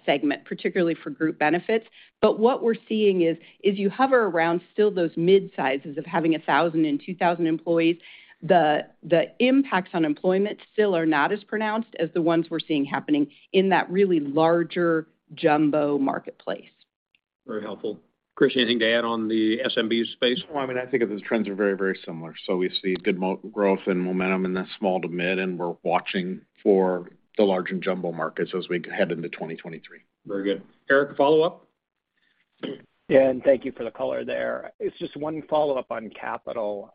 [SPEAKER 12] segment, particularly for group benefits. What we're seeing is you hover around still those mid-sizes of having 1,000 employees and 2,000 employees, the impacts on employment still are not as pronounced as the ones we're seeing happening in that really larger jumbo marketplace.
[SPEAKER 3] Very helpful. Chris, anything to add on the SMB space?
[SPEAKER 8] Well, I mean, I think the trends are very, very similar. We see good growth and momentum in the small to mid, and we're watching for the large and jumbo markets as we head into 2023.
[SPEAKER 3] Very good. Erik, follow-up?
[SPEAKER 11] Yeah, thank you for the color there. It's just one follow-up on capital.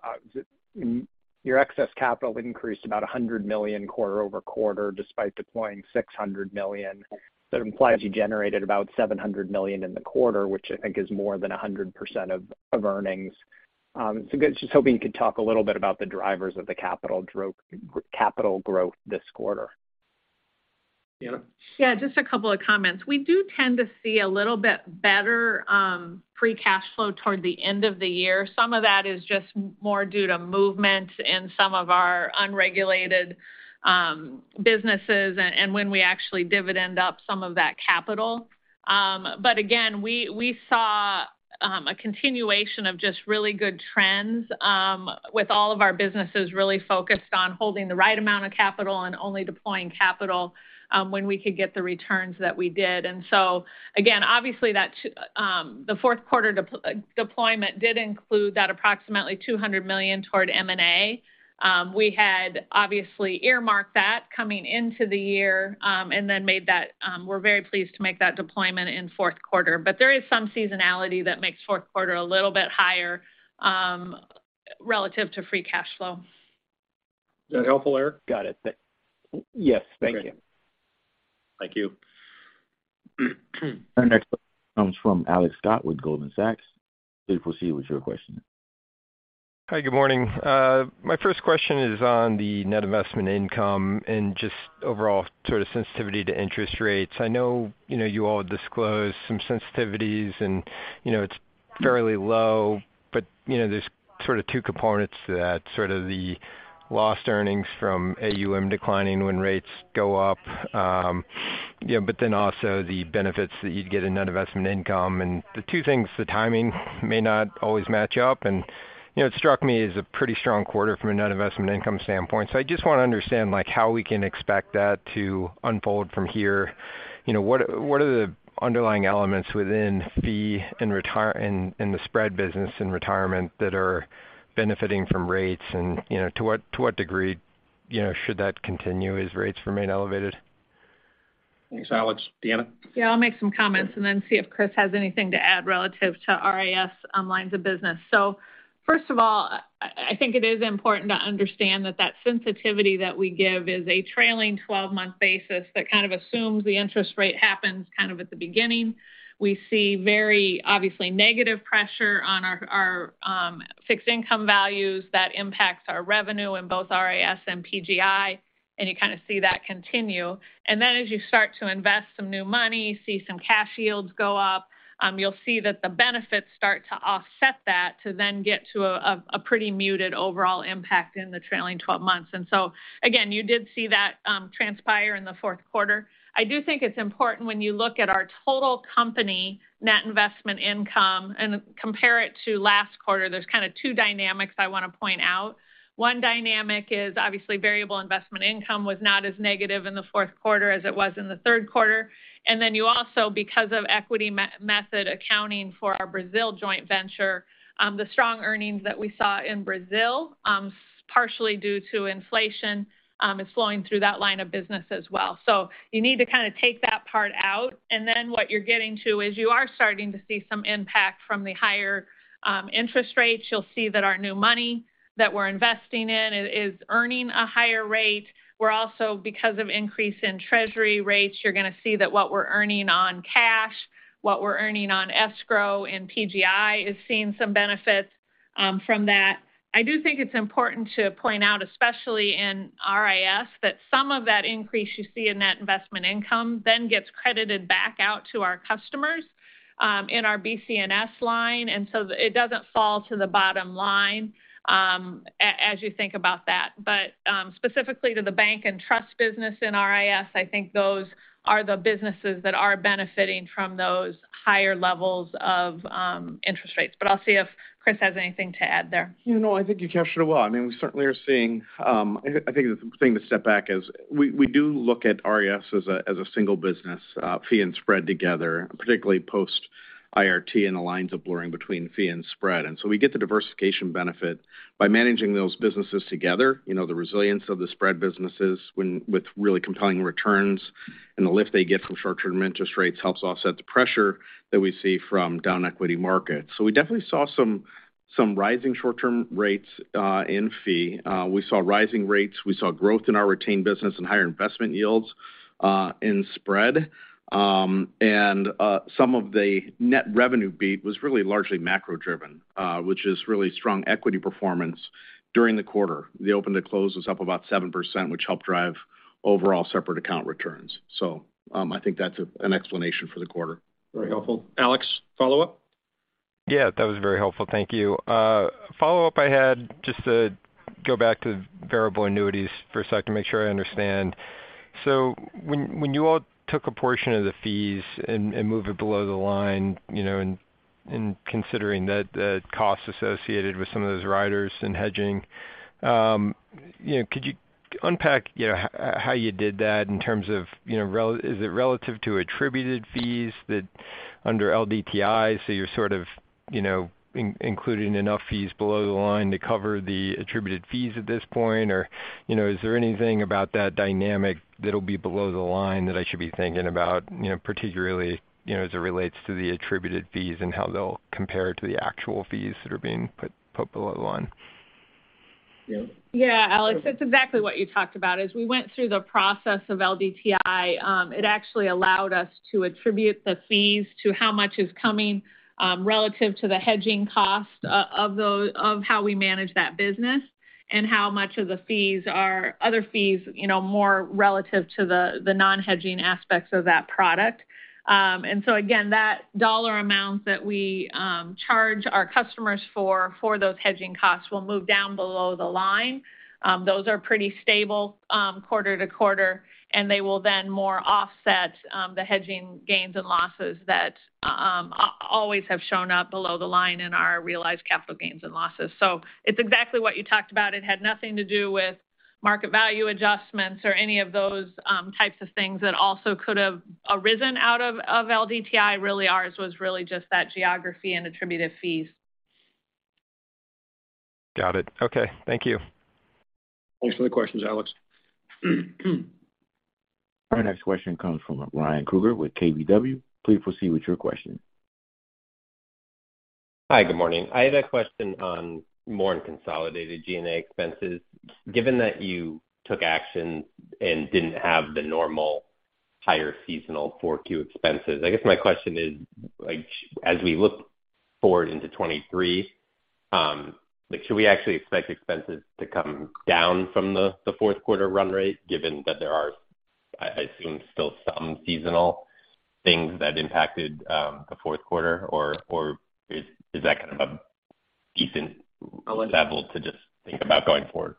[SPEAKER 11] Your excess capital increased about $100 million quarter-over-quarter despite deploying $600 million. It implies you generated about $700 million in the quarter, which I think is more than 100% of earnings. Just hoping you could talk a little bit about the drivers of the capital growth this quarter.
[SPEAKER 3] Amy?
[SPEAKER 4] Yeah, just a couple of comments. We do tend to see a little bit better, free cash flow toward the end of the year. Some of that is just more due to movement in some of our unregulated businesses and when we actually dividend up some of that capital. But again, we saw a continuation of just really good trends with all of our businesses really focused on holding the right amount of capital and only deploying capital when we could get the returns that we did. Again, obviously that the fourth quarter deployment did include that approximately $200 million toward M&A. We had obviously earmarked that coming into the year, and then made that. We're very pleased to make that deployment in fourth quarter. There is some seasonality that makes fourth quarter a little bit higher, relative to free cash flow.
[SPEAKER 3] Is that helpful, Erik?
[SPEAKER 11] Got it. Yes, thank you.
[SPEAKER 3] Okay. Thank you.
[SPEAKER 1] Our next question comes from Alex Scott with Goldman Sachs. Please proceed with your question.
[SPEAKER 13] Hi, good morning. My first question is on the net investment income and just overall sort of sensitivity to interest rates. I know, you know, you all disclose some sensitivities and, you know, it's fairly low, but, you know, there's sort of two components to that, sort of the lost earnings from AUM declining when rates go up, you know, but then also the benefits that you'd get in net investment income. The two things, the timing may not always match up. You know, it struck me as a pretty strong quarter from a net investment income standpoint. I just wanna understand, like, how we can expect that to unfold from here. You know, what are the underlying elements within fee and the spread business in retirement that are benefiting from rates and, you know, to what degree? You know, should that continue as rates remain elevated?
[SPEAKER 3] Thanks, Alex. Deanna?
[SPEAKER 4] I'll make some comments and then see if Chris has anything to add relative to RIS lines of business. First of all, I think it is important to understand that that sensitivity that we give is a trailing 12-month basis that kind of assumes the interest rate happens kind of at the beginning. We see very obviously negative pressure on our fixed income values that impacts our revenue in both RIS and PGI, and you kind of see that continue. As you start to invest some new money, see some cash yields go up, you'll see that the benefits start to offset that to then get to a pretty muted overall impact in the trailing 12 months. Again, you did see that transpire in the fourth quarter. I do think it's important when you look at our total company net investment income and compare it to last quarter, there's kind of two dynamics I wanna point out. One dynamic is obviously variable investment income was not as negative in the fourth quarter as it was in the third quarter. Then you also, because of equity method accounting for our Brazil joint venture, the strong earnings that we saw in Brazil, partially due to inflation, is flowing through that line of business as well. You need to kind of take that part out, and then what you're getting to is you are starting to see some impact from the higher interest rates. You'll see that our new money that we're investing in is earning a higher rate. We're also, because of increase in Treasury rates, you're gonna see that what we're earning on cash, what we're earning on escrow and PGI is seeing some benefits from that. I do think it's important to point out, especially in RIS, that some of that increase you see in net investment income then gets credited back out to our customers in our BCNS line. It doesn't fall to the bottom line as you think about that. Specifically to the bank and trust business in RIS, I think those are the businesses that are benefiting from those higher levels of interest rates. I'll see if Chris has anything to add there.
[SPEAKER 8] You know, I think you captured it well. I mean, we certainly are seeing. I think the thing to step back is we do look at RIS as a single business, fee and spread together, particularly post-IRT and the lines of blurring between fee and spread. We get the diversification benefit by managing those businesses together. You know, the resilience of the spread businesses when with really compelling returns and the lift they get from short-term interest rates helps offset the pressure that we see from down equity markets. We definitely saw some rising short-term rates in fee. We saw rising rates. We saw growth in our retained business and higher investment yields in spread. Some of the net revenue beat was really largely macro-driven, which is really strong equity performance during the quarter. The open to close was up about 7%, which helped drive overall separate account returns. I think that's an explanation for the quarter.
[SPEAKER 3] Very helpful. Alex, follow up?
[SPEAKER 13] Yeah, that was very helpful. Thank you. Follow up I had just to go back to variable annuities for a second to make sure I understand. When you all took a portion of the fees and moved it below the line, you know, and considering that cost associated with some of those riders and hedging, you know, could you unpack, you know, how you did that in terms of, you know, is it relative to attributed fees that under LDTI, so you're sort of, you know, including enough fees below the line to cover the attributed fees at this point? You know, is there anything about that dynamic that'll be below the line that I should be thinking about, you know, particularly, you know, as it relates to the attributed fees and how they'll compare to the actual fees that are being put below the line?
[SPEAKER 3] Yeah.
[SPEAKER 4] Alex, that's exactly what you talked about. As we went through the process of LDTI, it actually allowed us to attribute the fees to how much is coming relative to the hedging cost of how we manage that business and how much of the fees are other fees, you know, more relative to the non-hedging aspects of that product. Again, that dollar amount that we charge our customers for those hedging costs will move down below the line. Those are pretty stable quarter to quarter, and they will then more offset the hedging gains and losses that always have shown up below the line in our realized capital gains and losses. It's exactly what you talked about. It had nothing to do with market value adjustments or any of those types of things that also could have arisen out of LDTI. Really ours was really just that geography and attributed fees.
[SPEAKER 13] Got it. Okay. Thank you.
[SPEAKER 3] Thanks for the questions, Alex.
[SPEAKER 1] Our next question comes from Ryan Krueger with KBW. Please proceed with your question.
[SPEAKER 14] Hi, good morning. I had a question on more consolidated G&A expenses. Given that you took action and didn't have the normal higher seasonal 4Q expenses, I guess my question is, like, as we look forward into 2023, like, should we actually expect expenses to come down from the fourth quarter run rate given that there are, I assume, still some seasonal things that impacted, the fourth quarter? Or is that kind of a decent level to just think about going forward?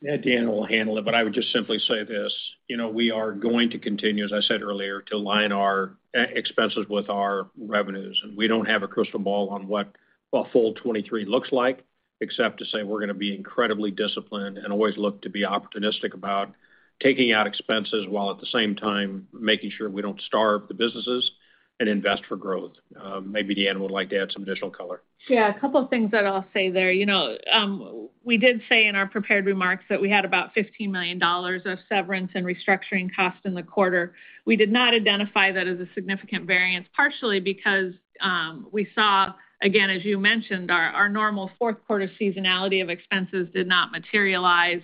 [SPEAKER 3] Yeah. Dan will handle it. I would just simply say this. You know, we are going to continue, as I said earlier, to align our Our expenses with our revenues. We don't have a crystal ball on what a full 2023 looks like, except to say we're gonna be incredibly disciplined and always look to be opportunistic about taking out expenses while at the same time making sure we don't starve the businesses and invest for growth. Maybe Deanna would like to add some additional color.
[SPEAKER 4] Yeah. A couple of things that I'll say there. You know, we did say in our prepared remarks that we had about $15 million of severance and restructuring costs in the quarter. We did not identify that as a significant variance, partially because, we saw, again, as you mentioned, our normal fourth quarter seasonality of expenses did not materialize.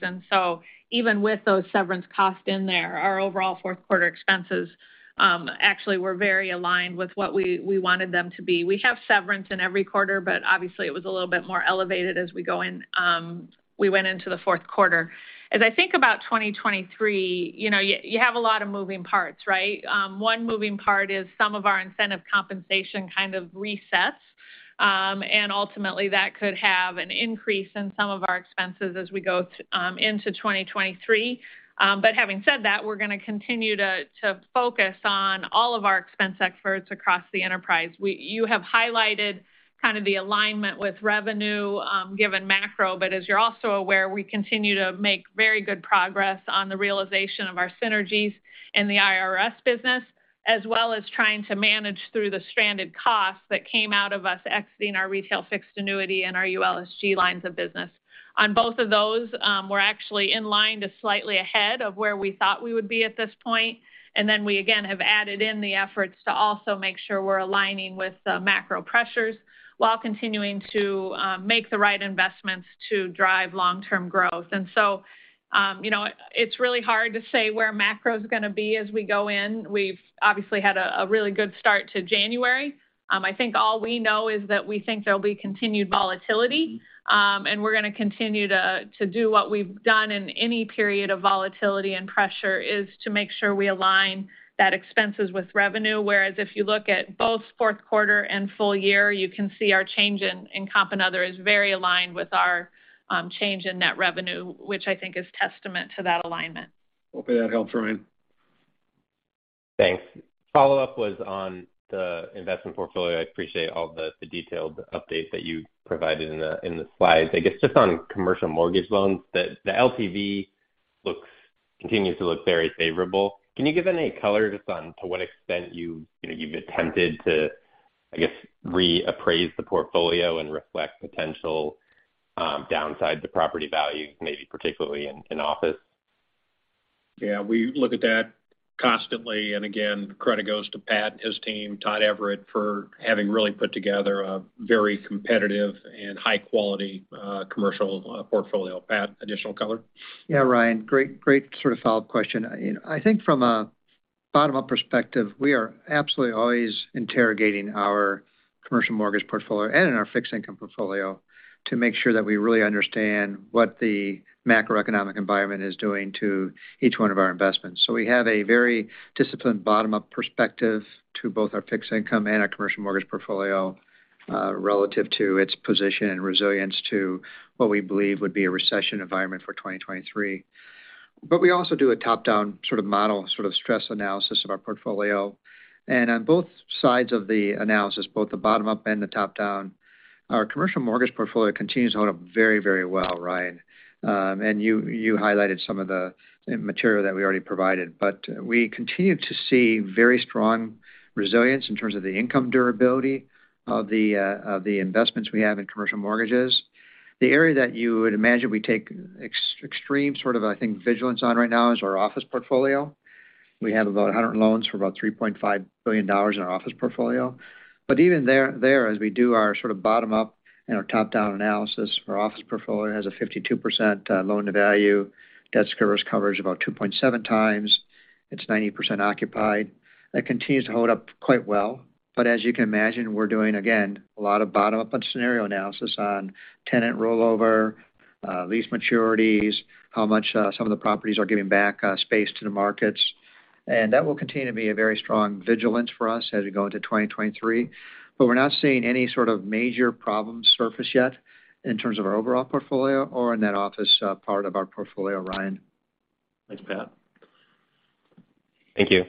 [SPEAKER 4] Even with those severance costs in there, our overall fourth quarter expenses actually were very aligned with what we wanted them to be. We have severance in every quarter, but obviously it was a little bit more elevated as we went into the fourth quarter. As I think about 2023, you know, you have a lot of moving parts, right? One moving part is some of our incentive compensation kind of resets. Ultimately that could have an increase in some of our expenses as we go into 2023. Having said that, we're gonna continue to focus on all of our expense efforts across the enterprise. You have highlighted kind of the alignment with revenue, given macro. As you're also aware, we continue to make very good progress on the realization of our synergies in the RIS business, as well as trying to manage through the stranded costs that came out of us exiting our retail fixed annuity and our ULSG lines of business. On both of those, we're actually in line to slightly ahead of where we thought we would be at this point. We again have added in the efforts to also make sure we're aligning with the macro pressures while continuing to make the right investments to drive long-term growth. You know, it's really hard to say where macro is gonna be as we go in. We've obviously had a really good start to January. I think all we know is that we think there'll be continued volatility, and we're gonna continue to do what we've done in any period of volatility and pressure, is to make sure we align that expenses with revenue. Whereas if you look at both fourth quarter and full year, you can see our change in comp and other is very aligned with our change in net revenue, which I think is testament to that alignment.
[SPEAKER 3] Hopefully that helped, Ryan.
[SPEAKER 14] Thanks. Follow-up was on the investment portfolio. I appreciate all the detailed updates that you provided in the slides. I guess just on commercial mortgage loans, the LTV continues to look very favorable. Can you give any color just on to what extent you know, you've attempted to, I guess, reappraise the portfolio and reflect potential downside to property value, maybe particularly in office?
[SPEAKER 3] Yeah, we look at that constantly. Again, credit goes to Pat and his team, Todd Everett, for having really put together a very competitive and high quality, commercial, portfolio. Pat, additional color?
[SPEAKER 6] Yeah, Ryan, great sort of follow-up question. You know, I think from a bottom-up perspective, we are absolutely always interrogating our commercial mortgage portfolio and in our fixed income portfolio to make sure that we really understand what the macroeconomic environment is doing to each one of our investments. We have a very disciplined bottom-up perspective to both our fixed income and our commercial mortgage portfolio, relative to its position and resilience to what we believe would be a recession environment for 2023. We also do a top-down sort of model, sort of stress analysis of our portfolio. On both sides of the analysis, both the bottom up and the top down, our commercial mortgage portfolio continues to hold up very, very well, Ryan. You highlighted some of the material that we already provided. We continue to see very strong resilience in terms of the income durability of the investments we have in commercial mortgages. The area that you would imagine we take extreme sort of, I think, vigilance on right now is our office portfolio. We have about 100 loans for about $3.5 billion in our office portfolio. Even there, as we do our sort of bottom-up and our top-down analysis, our office portfolio has a 52% loan to value, debt service coverage about 2.7x. It's 90% occupied. That continues to hold up quite well. As you can imagine, we're doing, again, a lot of bottom-up scenario analysis on tenant rollover, lease maturities, how much some of the properties are giving back space to the markets. That will continue to be a very strong vigilance for us as we go into 2023. We're not seeing any sort of major problems surface yet in terms of our overall portfolio or in that office, part of our portfolio, Ryan.
[SPEAKER 3] Thanks, Pat.
[SPEAKER 14] Thank you.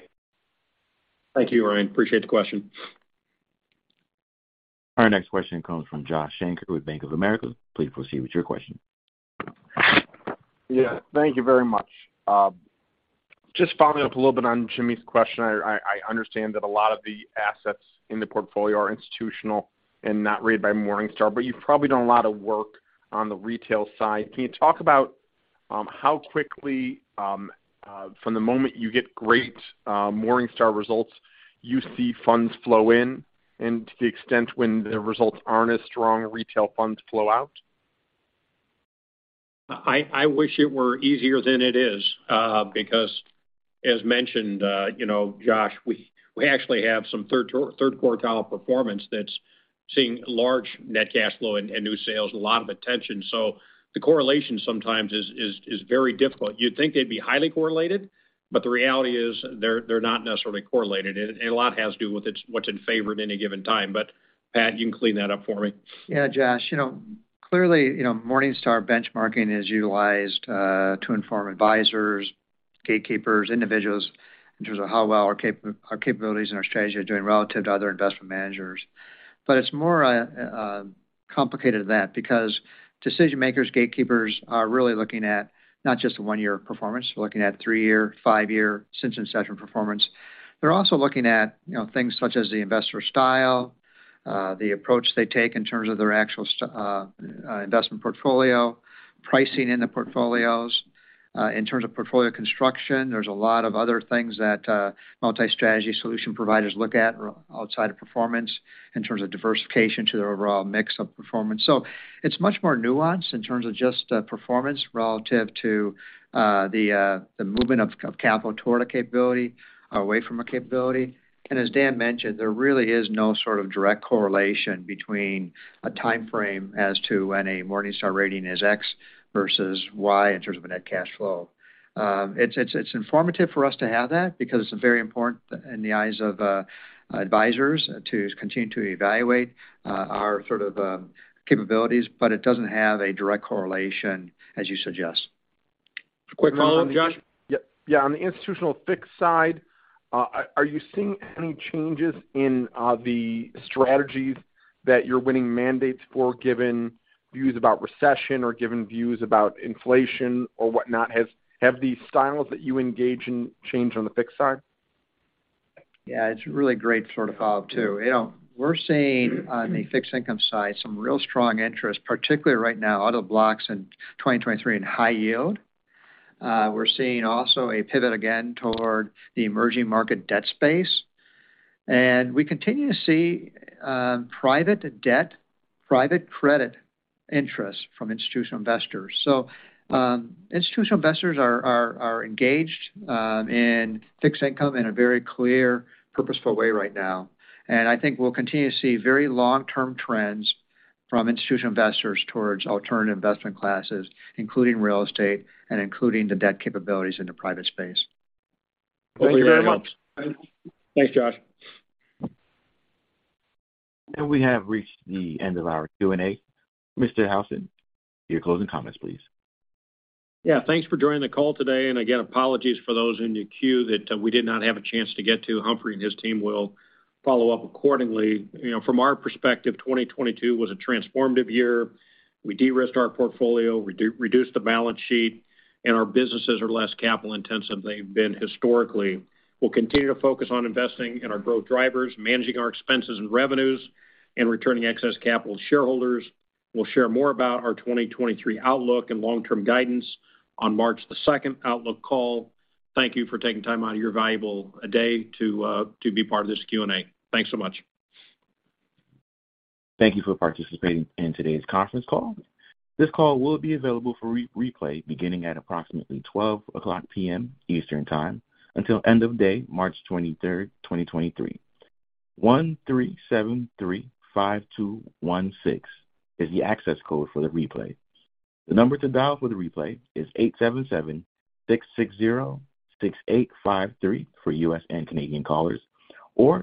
[SPEAKER 3] Thank you, Ryan. Appreciate the question.
[SPEAKER 1] Our next question comes from Joshua Shanker with Bank of America. Please proceed with your question.
[SPEAKER 15] Yeah, thank you very much. Just following up a little bit on Jimmy's question. I understand that a lot of the assets in the portfolio are institutional and not read by Morningstar, but you've probably done a lot of work on the retail side. Can you talk about how quickly from the moment you get great Morningstar results you see funds flow in, and to the extent when the results aren't as strong retail funds flow out?
[SPEAKER 3] I wish it were easier than it is, because as mentioned, you know, Josh, we actually have some third quartile performance that's seeing large net cash flow and new sales, a lot of attention. The correlation sometimes is very difficult. You'd think they'd be highly correlated, but the reality is they're not necessarily correlated. A lot has to do with what's in favor at any given time. Pat, you can clean that up for me.
[SPEAKER 6] Yeah, Josh, you know, clearly, you know, Morningstar benchmarking is utilized to inform advisors, gatekeepers, individuals in terms of how well our capabilities and our strategy are doing relative to other investment managers. It's more complicated than that because decision-makers, gatekeepers are really looking at not just the one-year performance. We're looking at three-year, five-year, since inception performance. They're also looking at, you know, things such as the investor style, the approach they take in terms of their actual investment portfolio, pricing in the portfolios, in terms of portfolio construction. There's a lot of other things that multi-strategy solution providers look at outside of performance in terms of diversification to their overall mix of performance. It's much more nuanced in terms of just performance relative to the movement of capital toward a capability or away from a capability. As Dan mentioned, there really is no sort of direct correlation between a timeframe as to when a Morningstar rating is X versus Y in terms of a net cash flow. It's informative for us to have that because it's very important in the eyes of advisors to continue to evaluate our sort of capabilities, but it doesn't have a direct correlation as you suggest.
[SPEAKER 3] A quick follow-up, Josh?
[SPEAKER 15] Yeah. Yeah, on the institutional fixed side, are you seeing any changes in the strategies that you're winning mandates for, given views about recession or given views about inflation or whatnot? Have the styles that you engage in changed on the fixed side?
[SPEAKER 6] Yeah, it's a really great sort of follow-up, too. You know, we're seeing on the fixed income side some real strong interest, particularly right now, out of blocks in 2023 in high yield. We're seeing also a pivot again toward the emerging market debt space. We continue to see private debt, private credit interest from institutional investors. Institutional investors are engaged in fixed income in a very clear, purposeful way right now. I think we'll continue to see very long-term trends from institutional investors towards alternative investment classes, including real estate and including the debt capabilities in the private space.
[SPEAKER 3] Thank you very much.
[SPEAKER 6] Thanks, Josh.
[SPEAKER 1] We have reached the end of our Q&A. Mr. Houston, your closing comments, please.
[SPEAKER 3] Yeah. Thanks for joining the call today. Again, apologies for those in the queue that we did not have a chance to get to. Humphrey and his team will follow up accordingly. You know, from our perspective, 2022 was a transformative year. We de-risked our portfolio, reduced the balance sheet, and our businesses are less capital-intensive than they've been historically. We'll continue to focus on investing in our growth drivers, managing our expenses and revenues, and returning excess capital to shareholders. We'll share more about our 2023 outlook and long-term guidance on March the second outlook call. Thank you for taking time out of your valuable day to be part of this Q&A. Thanks so much.
[SPEAKER 1] Thank you for participating in today's conference call. This call will be available for re-replay beginning at approximately 12:00 P.M. Eastern Time until end of day March 23rd, 2023. 13735216 is the access code for the replay. The number to dial for the replay is 877-660-6853 for U.S. and Canadian callers or